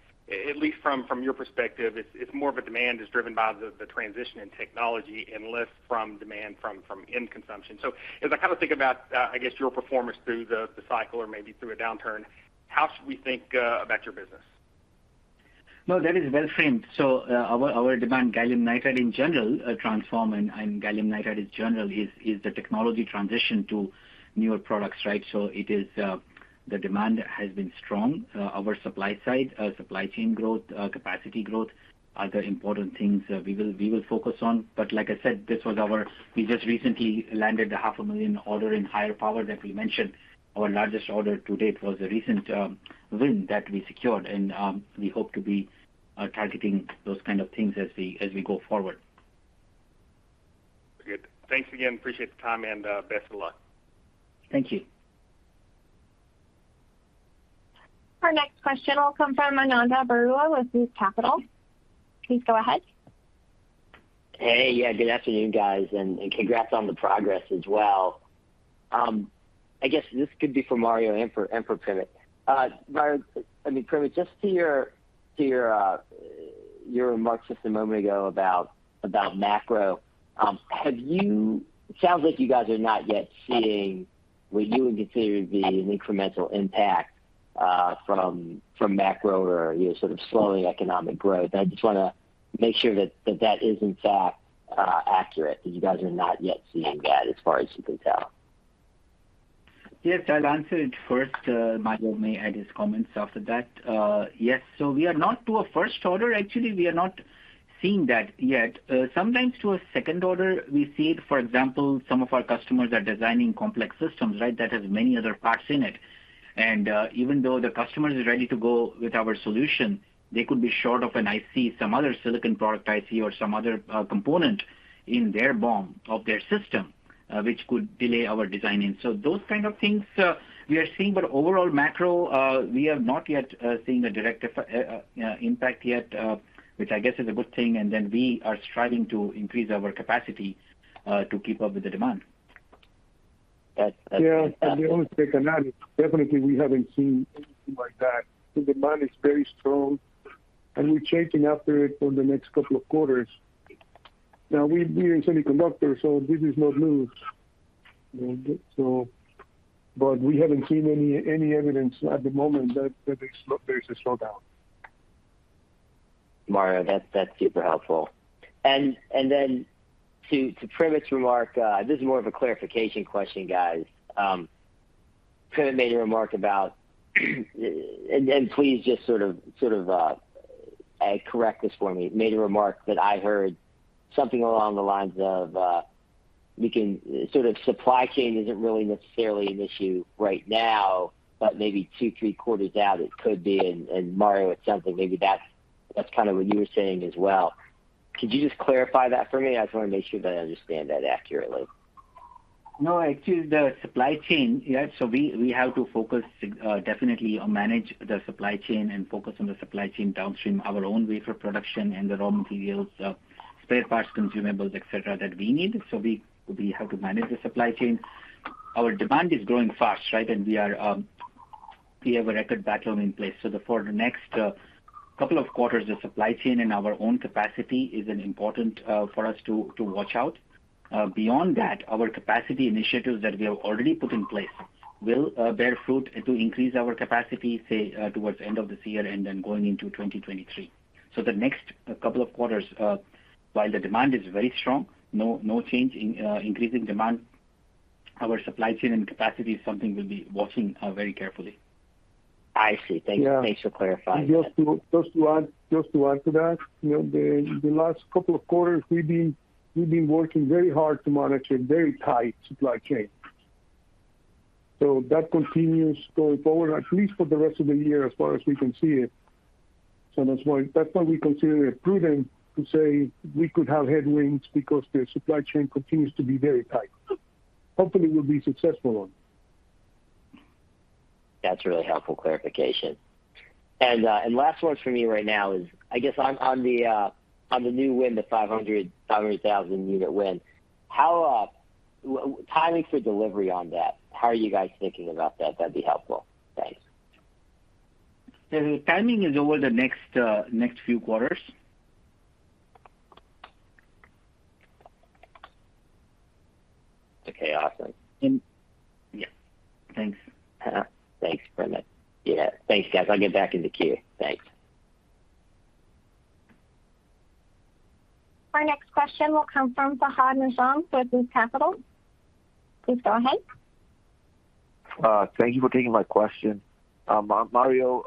at least from your perspective, it's more of a demand is driven by the transition in technology and less from demand from end consumption. As I kind of think about, I guess your performance through the cycle or maybe through a downturn, how should we think about your business?
No, that is well framed. Our demand, gallium nitride in general, Transphorm and gallium nitride in general is the technology transition to newer products, right? It is, the demand has been strong. Our supply side, supply chain growth, capacity growth are the important things, we will focus on. But like I said, we just recently landed a $ half a million order in higher power that we mentioned. Our largest order to date was a recent win that we secured, and we hope to be targeting those kind of things as we go forward.
Good. Thanks again. Appreciate the time and best of luck.
Thank you.
Our next question will come from Ananda Baruah with Loop Capital. Please go ahead.
Hey. Yeah, good afternoon, guys, and congrats on the progress as well. I guess this could be for Mario and Primit. Mario, I mean, Primit, just to your remarks just a moment ago about macro. It sounds like you guys are not yet seeing what you would consider to be an incremental impact from macro or, you know, sort of slowing economic growth. I just wanna make sure that that is in fact accurate, that you guys are not yet seeing that as far as you can tell.
Yes, I'll answer it first. Mario may add his comments after that. Yes. We are not to a first order. Actually, we are not seeing that yet. Sometimes to a second order we see it. For example, some of our customers are designing complex systems, right? That has many other parts in it. Even though the customer is ready to go with our solution, they could be short of an IC, some other silicon product IC or some other component in their BOM of their system, which could delay our designing. Those kind of things we are seeing, but overall macro, we have not yet seen a direct impact yet, which I guess is a good thing. We are striving to increase our capacity to keep up with the demand.
That's.
Yeah, from the old tech analysis, definitely we haven't seen anything like that. The demand is very strong, and we're chasing after it for the next couple of quarters. Now we are in semiconductor, so this is not new. We haven't seen any evidence at the moment that there's a slowdown.
Mario, that's super helpful. Then to Primit's remark, this is more of a clarification question, guys. Primit made a remark. Please just sort of correct this for me. Made a remark that I heard something along the lines of, sort of supply chain isn't really necessarily an issue right now, but maybe two, three quarters out it could be. Mario had something, maybe that's kind of what you were saying as well. Could you just clarify that for me? I just wanna make sure that I understand that accurately.
No, actually the supply chain, so we have to focus definitely or manage the supply chain and focus on the supply chain downstream, our own wafer production and the raw materials, spare parts, consumables, et cetera, that we need. We have to manage the supply chain. Our demand is growing fast, right? We have a record backlog in place. For the next couple of quarters, the supply chain and our own capacity is an important for us to watch out. Beyond that, our capacity initiatives that we have already put in place will bear fruit to increase our capacity, say, towards the end of this year and then going into 2023. The next couple of quarters, while the demand is very strong, no change in increasing demand, our supply chain and capacity is something we'll be watching very carefully.
I see. Thank you.
Yeah.
Thanks for clarifying that.
Just to add to that, you know, the last couple of quarters we've been working very hard to monitor very tight supply chains. That continues going forward, at least for the rest of the year as far as we can see it. That's why we consider it prudent to say we could have headwinds, because the supply chain continues to be very tight. Hopefully, we'll be successful on it.
That's really helpful clarification. Last one for me right now is, I guess on the new win, the 500,000 unit win, how timing for delivery on that, how are you guys thinking about that? That'd be helpful. Thanks.
The timing is over the next few quarters.
Okay. Awesome.
Yeah. Thanks.
Thanks, Primit. Yeah, thanks, guys. I'll get back in the queue. Thanks.
Our next question will come from Fahad Najam with Loop Capital. Please go ahead.
Thank you for taking my question. Mario,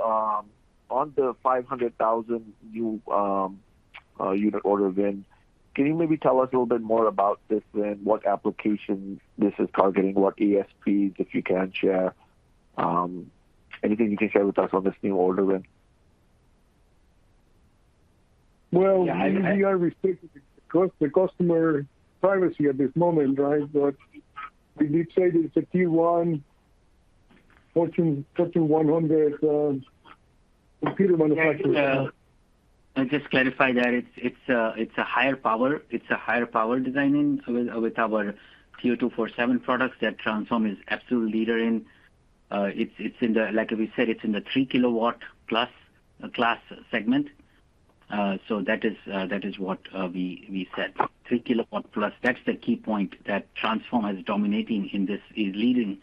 on the 500,000 new unit order win, can you maybe tell us a little bit more about this win? What applications this is targeting, what ASPs, if you can share, anything you can share with us on this new order win?
Well-
Yeah, I mean.
We are restricted because the customer privacy at this moment, right? We did say that it's a Tier 1 Fortune 100 computer manufacturer.
Yeah. To just clarify that, it's a higher power designing with our TO-247 products that Transphorm is absolute leader in. It's in the 3 kW plus class segment. That is what we said. 3 kW+, that's the key point that Transphorm is dominating in this leading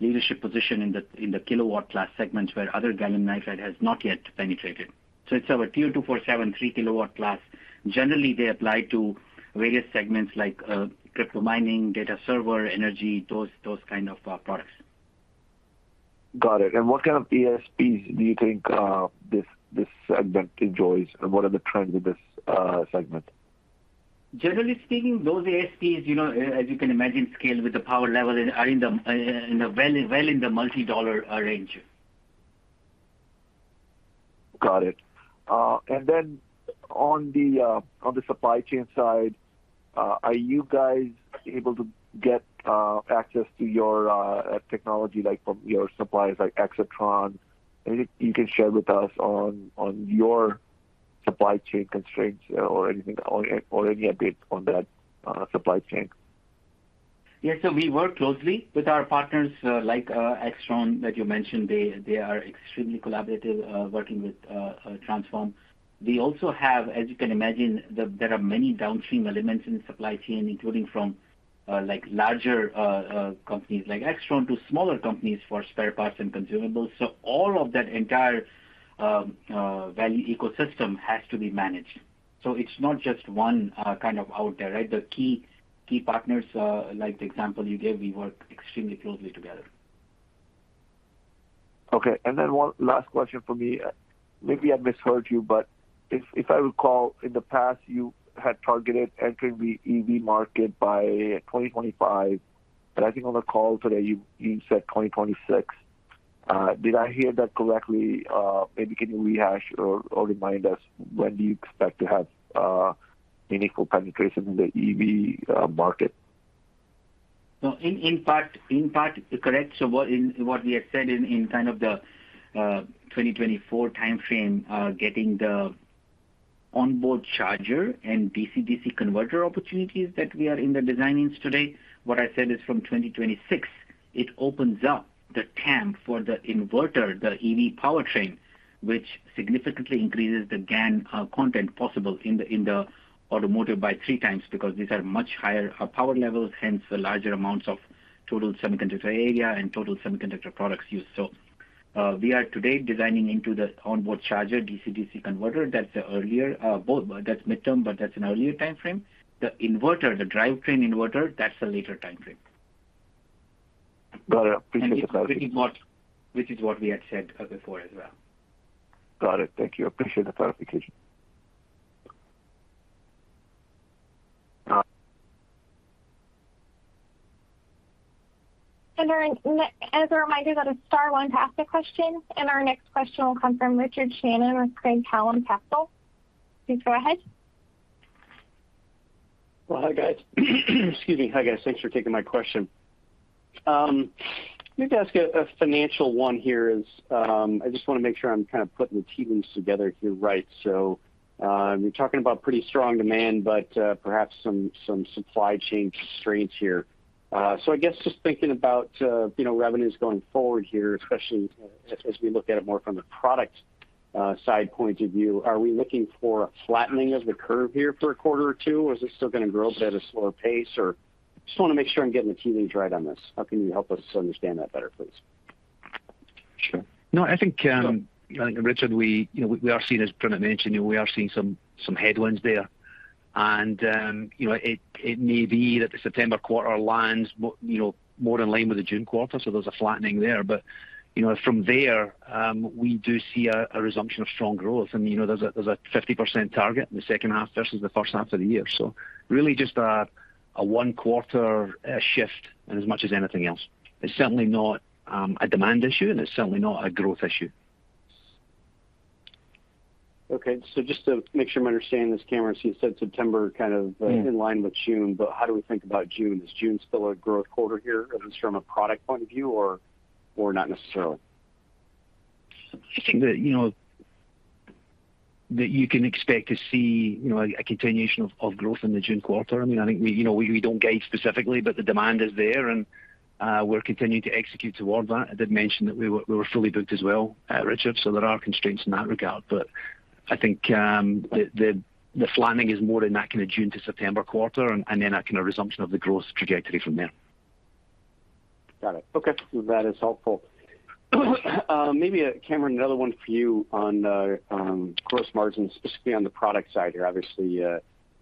leadership position in the kW class segments where other gallium nitride has not yet penetrated. It's our TO-247 3 kW class. Generally, they apply to various segments like crypto mining, data server, energy, those kind of products.
Got it. What kind of ASPs do you think this segment enjoys, and what are the trends in this segment?
Generally speaking, those ASPs, you know, as you can imagine, scale with the power level and are in the well in the multi-dollar range.
Got it. On the supply chain side, are you guys able to get access to your technology, like from your suppliers, like Aixtron? Anything you can share with us on your supply chain constraints or anything or any update on that supply chain?
Yeah. We work closely with our partners, like, Aixtron that you mentioned. They are extremely collaborative, working with Transphorm. We also have, as you can imagine, there are many downstream elements in the supply chain, including from, like larger, companies like Aixtron to smaller companies for spare parts and consumables. All of that entire value ecosystem has to be managed. It's not just one kind of out there, right? The key partners, like the example you gave, we work extremely closely together.
Okay. One last question for me. Maybe I misheard you, but if I recall, in the past, you had targeted entering the EV market by 2025. I think on the call today, you said 2026. Did I hear that correctly? Maybe can you rehash or remind us when do you expect to have meaningful penetration in the EV market?
No. In part, correct. What we had said in kind of the 2024 timeframe, getting the onboard charger and DC/DC converter opportunities that we are in the design-ins today. What I said is from 2026, it opens up the TAM for the inverter, the EV powertrain, which significantly increases the GaN content possible in the automotive by three times because these are much higher power levels, hence the larger amounts of total semiconductor area and total semiconductor products used. We are today designing into the onboard charger DC/DC converter. That's the earlier, both. That's midterm, but that's an earlier timeframe. The inverter, the drivetrain inverter, that's a later timeframe.
Got it. Appreciate the clarity.
It's pretty much which is what we had said before as well.
Got it. Thank you. Appreciate the clarification.
As a reminder, that is star one to ask a question, and our next question will come from Richard Shannon with Craig-Hallum Capital Group. Please go ahead.
Well, hi, guys. Excuse me. Hi, guys. Thanks for taking my question. Let me ask a financial one here is, I just wanna make sure I'm kind of putting the tea leaves together here, right? You're talking about pretty strong demand, but perhaps some supply chain constraints here. I guess just thinking about, you know, revenues going forward here, especially as we look at it more from the product standpoint, are we looking for flattening of the curve here for a quarter or two, or is this still gonna grow but at a slower pace? I just wanna make sure I'm getting the tea leaves right on this. How can you help us understand that better, please?
Sure. No, I think, Richard, you know, we are seeing, as Primit mentioned, you know, we are seeing some headwinds there. It may be that the September quarter lands more in line with the June quarter, so there's a flattening there. From there, we do see a resumption of strong growth. There's a 50% target in the second half versus the first half of the year. Really just a one-quarter shift as much as anything else. It's certainly not a demand issue, and it's certainly not a growth issue.
Okay. Just to make sure I'm understanding this, Cameron, so you said September kind of.
Mm-hmm.
In line with June, but how do we think about June? Is June still a growth quarter here at least from a product point of view or not necessarily?
I think that you know that you can expect to see you know a continuation of growth in the June quarter. I mean I think we you know we don't guide specifically but the demand is there and we're continuing to execute towards that. I did mention that we were fully booked as well Richard so there are constraints in that regard. But I think the flattening is more in that kind of June to September quarter and then a kinda resumption of the growth trajectory from there.
Got it. Okay. That is helpful. Maybe, Cameron, another one for you on gross margins, specifically on the product side here. Obviously, you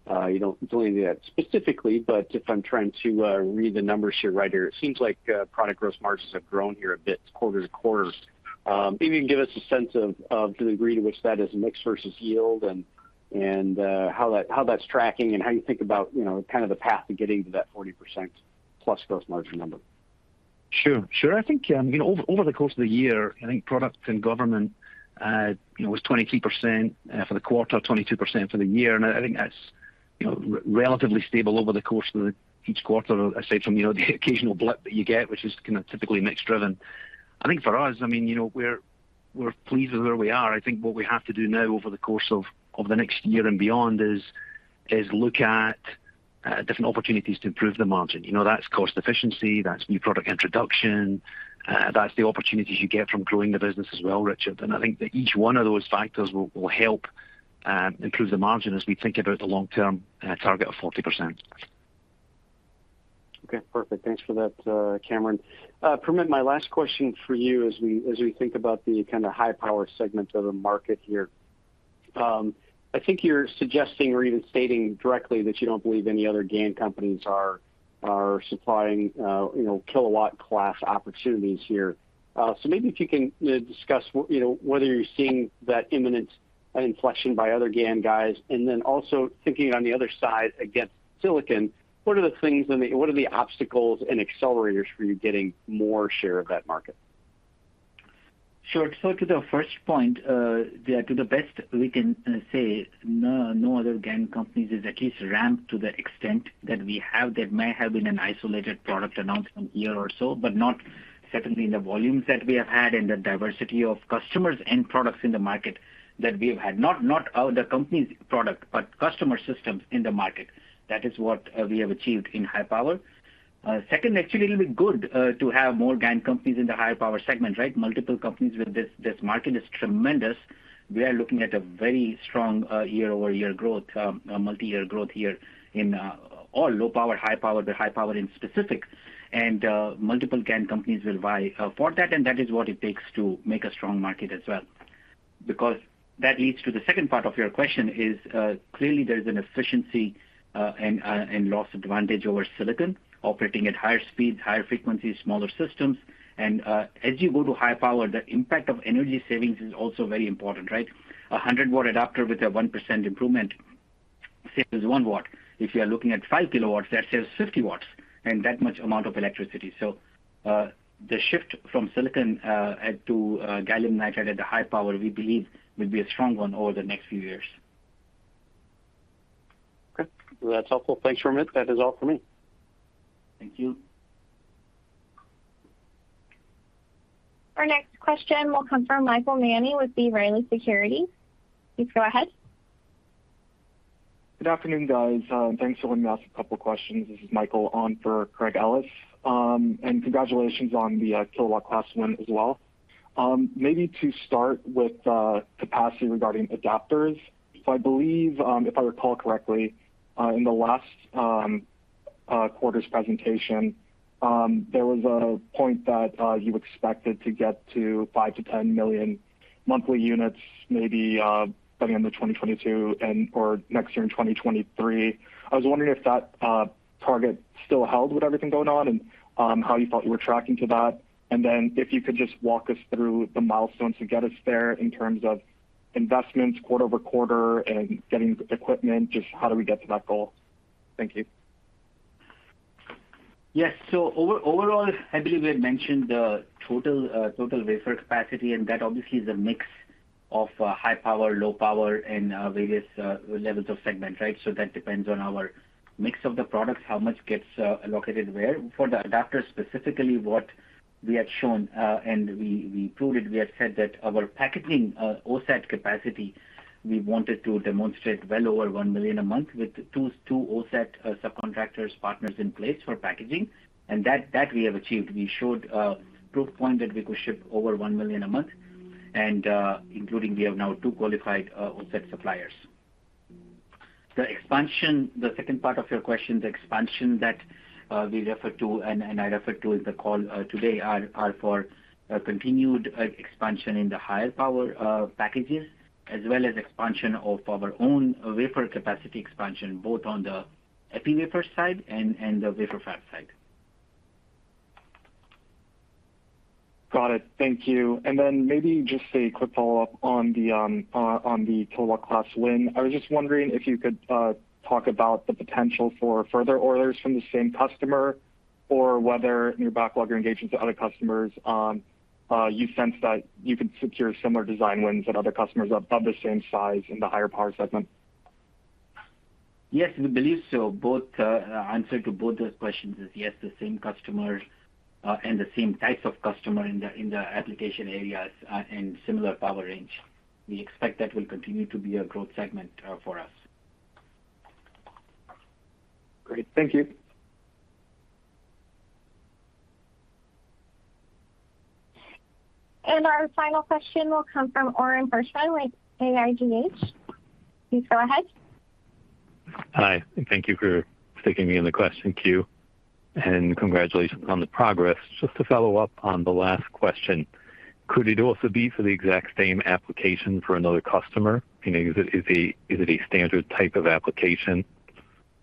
don't do any of that specifically, but if I'm trying to read the numbers here right here, it seems like product gross margins have grown here a bit quarter to quarter. Maybe you can give us a sense of the degree to which that is mix versus yield and how that's tracking and how you think about, you know, kind of the path to getting to that 40%+ gross margin number.
Sure. I think, you know, over the course of the year, I think product and government, you know, was 23%, for the quarter, 22% for the year. I think that's, you know, relatively stable over the course of each quarter, aside from, you know, the occasional blip that you get, which is kinda typically mix-driven. I think for us, I mean, you know, we're pleased with where we are. I think what we have to do now over the course of the next year and beyond is look at different opportunities to improve the margin. You know, that's cost efficiency, that's new product introduction, that's the opportunities you get from growing the business as well, Richard. I think that each one of those factors will help improve the margin as we think about the long-term target of 40%.
Okay. Perfect. Thanks for that, Cameron. Primit, my last question for you as we think about the kinda high-power segment of the market here. I think you're suggesting or even stating directly that you don't believe any other GaN companies are supplying, you know, kilowatt class opportunities here. So maybe if you can, you know, discuss, you know, whether you're seeing an imminent inflection by other GaN guys. Then also thinking on the other side against silicon, what are the things and what are the obstacles and accelerators for you getting more share of that market?
Sure. To the first point, to the best we can say, no other GaN companies is at least ramped to the extent that we have. There may have been an isolated product announcement here or there, but not certainly in the volumes that we have had and the diversity of customers and products in the market that we have had. Not our, the company's product, but customer systems in the market. That is what we have achieved in high power. Second, actually, it'll be good to have more GaN companies in the high power segment, right? Multiple companies with this market is tremendous. We are looking at a very strong year-over-year growth, a multi-year growth here in all low power, high power, but high power in specific. Multiple GaN companies will vie for that, and that is what it takes to make a strong market as well. Because that leads to the second part of your question is, clearly there's an efficiency and lots of advantage over silicon operating at higher speeds, higher frequencies, smaller systems. As you go to high power, the impact of energy savings is also very important, right? A 100-watt adapter with a 1% improvement saves 1 watt. If you are looking at 5 kilowatts, that saves 50 watts and that much amount of electricity. The shift from silicon to gallium nitride at the high power, we believe, will be a strong one over the next few years.
Okay. Well, that's helpful. Thanks, Primit. That is all for me.
Thank you.
Our next question will come from Michael Mani with B. Riley Securities. Please go ahead.
Good afternoon, guys. Thanks for letting me ask a couple questions. This is Michael on for Craig Ellis. Congratulations on the kilowatt class win as well. Maybe to start with the capacity regarding adapters. I believe, if I recall correctly, in the last quarter's presentation, there was a point that you expected to get to 5 million-10 million monthly units, maybe, by the end of 2022 and or next year in 2023. I was wondering if that target still held with everything going on and how you felt you were tracking to that. Then if you could just walk us through the milestones to get us there in terms of investments quarter-over-quarter and getting equipment, just how do we get to that goal? Thank you.
Yes. Overall, I believe we had mentioned the total wafer capacity, and that obviously is a mix of high power, low power and various levels of segment, right? That depends on our mix of the products, how much gets allocated where. For the adapter specifically, what we had shown and we proved it, we had said that our packaging OSAT capacity, we wanted to demonstrate well over 1 million a month with two OSAT subcontractors partners in place for packaging. And that we have achieved. We showed proof point that we could ship over 1 million a month, and including we have now two qualified OSAT suppliers. The expansion, the second part of your question, the expansion that we refer to and I refer to in the call today are for continued expansion in the higher power packages as well as expansion of our own wafer capacity expansion, both on the epi wafer side and the wafer fab side.
Got it. Thank you. Maybe just a quick follow-up on the kilowatt class win. I was just wondering if you could talk about the potential for further orders from the same customer or whether in your backlog or engagement to other customers, you sense that you could secure similar design wins at other customers of the same size in the higher power segment.
Yes, we believe so. Both answers to both those questions is yes, the same customer, and the same types of customer in the application areas, and similar power range. We expect that will continue to be a growth segment for us.
Great. Thank you.
Our final question will come from Orin Hirschman with AIGH. Please go ahead.
Hi, and thank you for sticking me in the question queue. Congratulations on the progress. Just to follow up on the last question, could it also be for the exact same application for another customer? You know, is it a standard type of application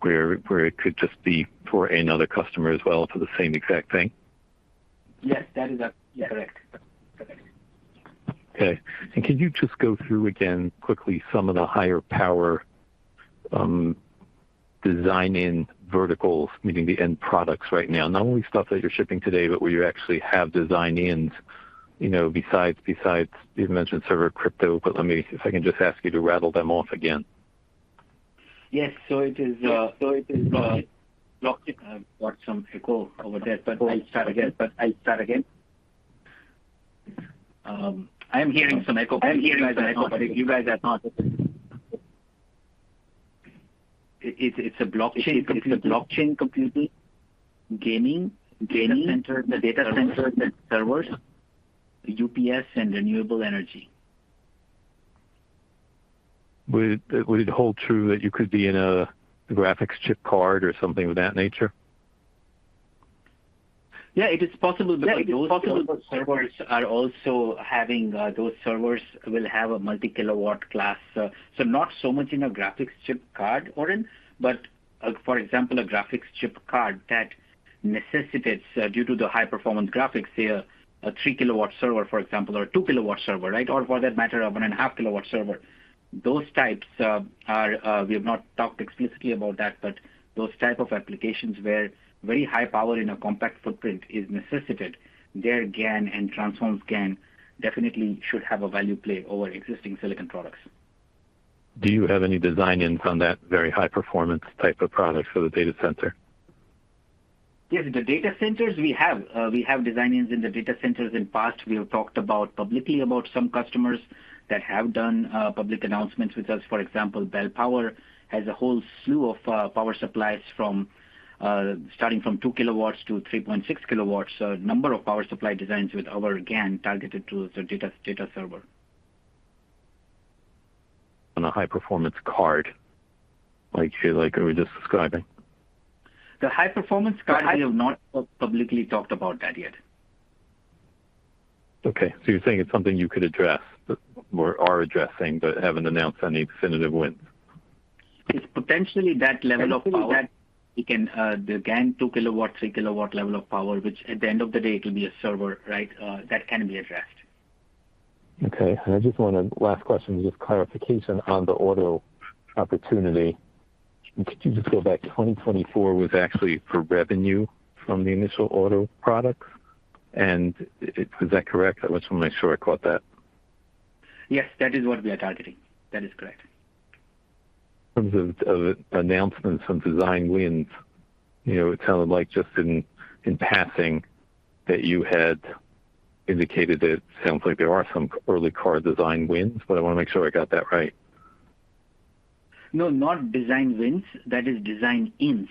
where it could just be for another customer as well for the same exact thing?
Yes. Yeah, correct.
Okay. Could you just go through again quickly some of the higher power design-in verticals, meaning the end products right now? Not only stuff that you're shipping today, but where you actually have design-ins, you know, besides. You've mentioned server crypto, but let me see if I can just ask you to rattle them off again.
Yes. It is. Got some echo over there, but I'll start again. I am hearing some echo, but you guys are not. It's a blockchain computing, gaming, data centers and servers, UPS and renewable energy.
Would it hold true that you could be in a graphics chip card or something of that nature?
Yeah, it is possible because those servers will have a multi-kilowatt class. Not so much in a graphics chip card, Oren, but for example, a graphics chip card that necessitates, due to the high performance graphics here, a 3 kilowatt server, for example, or a 2 kilowatt server, right? For that matter, a 1.5 kilowatt server. Those types, we have not talked explicitly about that, but those type of applications where very high power in a compact footprint is necessitated, their GaN and Transphorm GaN definitely should have a value play over existing silicon products.
Do you have any design-ins on that very high performance type of product for the data center?
Yes. The data centers, we have. We have design-ins in the data centers. In the past, we have talked publicly about some customers that have done public announcements with us. For example, Bel Power Solutions has a whole slew of power supplies starting from 2 kilowatts to 3.6 kilowatts. A number of power supply designs with our GaN targeted to the data server.
On a high-performance card like we're just describing.
The high-performance card, I have not publicly talked about that yet.
Okay. You're saying it's something you could address but, or are addressing but haven't announced any definitive wins.
It's potentially that level of power. We can the GaN 2-kW, 3-kW level of power, which at the end of the day, it'll be a server, right? That can be addressed.
Okay. I just want to last question, just clarification on the auto opportunity. Could you just go back, 2024 was actually for revenue from the initial auto products? Is that correct? I just want to make sure I caught that.
Yes. That is what we are targeting. That is correct.
In terms of announcements from design wins, you know, it sounded like just in passing that you had indicated that it sounds like there are some early car design wins, but I wanna make sure I got that right?
No, not design wins. That is design-ins,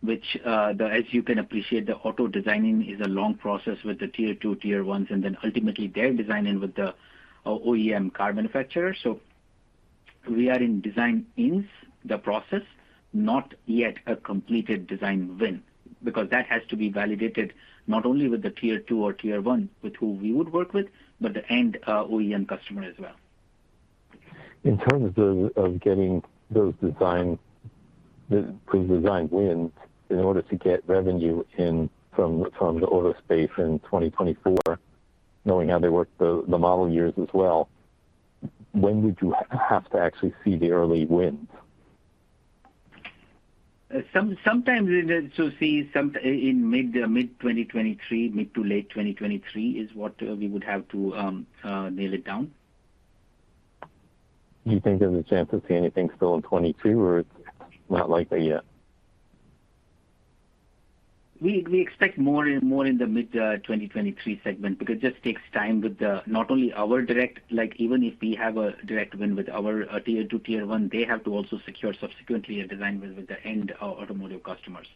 which, as you can appreciate, the auto designing is a long process with the Tier 2, Tier 1, and then ultimately their design in with the OEM car manufacturer. We are in design-ins the process, not yet a completed design win because that has to be validated not only with the Tier 2 or Tier 1 with who we would work with, but the end, OEM customer as well.
In terms of getting those pre-design wins in order to get revenue in from the auto space in 2024, knowing how they work the model years as well, when would you have to actually see the early wins?
Sometimes we need to see some in mid- to late 2023 is what we would have to nail it down.
Do you think there's a chance we'll see anything still in 2022 or it's not likely yet?
We expect more in the mid-2023 segment because it just takes time with not only our direct, like even if we have a direct win with our Tier 2, Tier 1, they have to also secure subsequently a design win with the end automotive customers.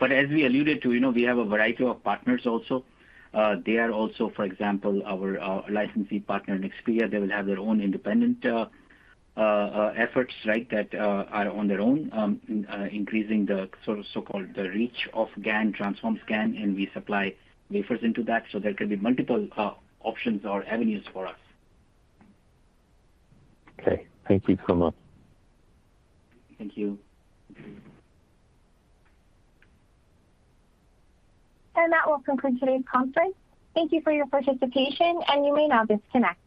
As we alluded to, you know, we have a variety of partners also. They are also, for example, our licensee partner, Nexperia, they will have their own independent efforts, right? That are on their own increasing the sort of so-called reach of GaN, Transphorm GaN, and we supply wafers into that, so there can be multiple options or avenues for us.
Okay. Thank you, Primit Parikh.
Thank you.
That will conclude today's conference. Thank you for your participation, and you may now disconnect.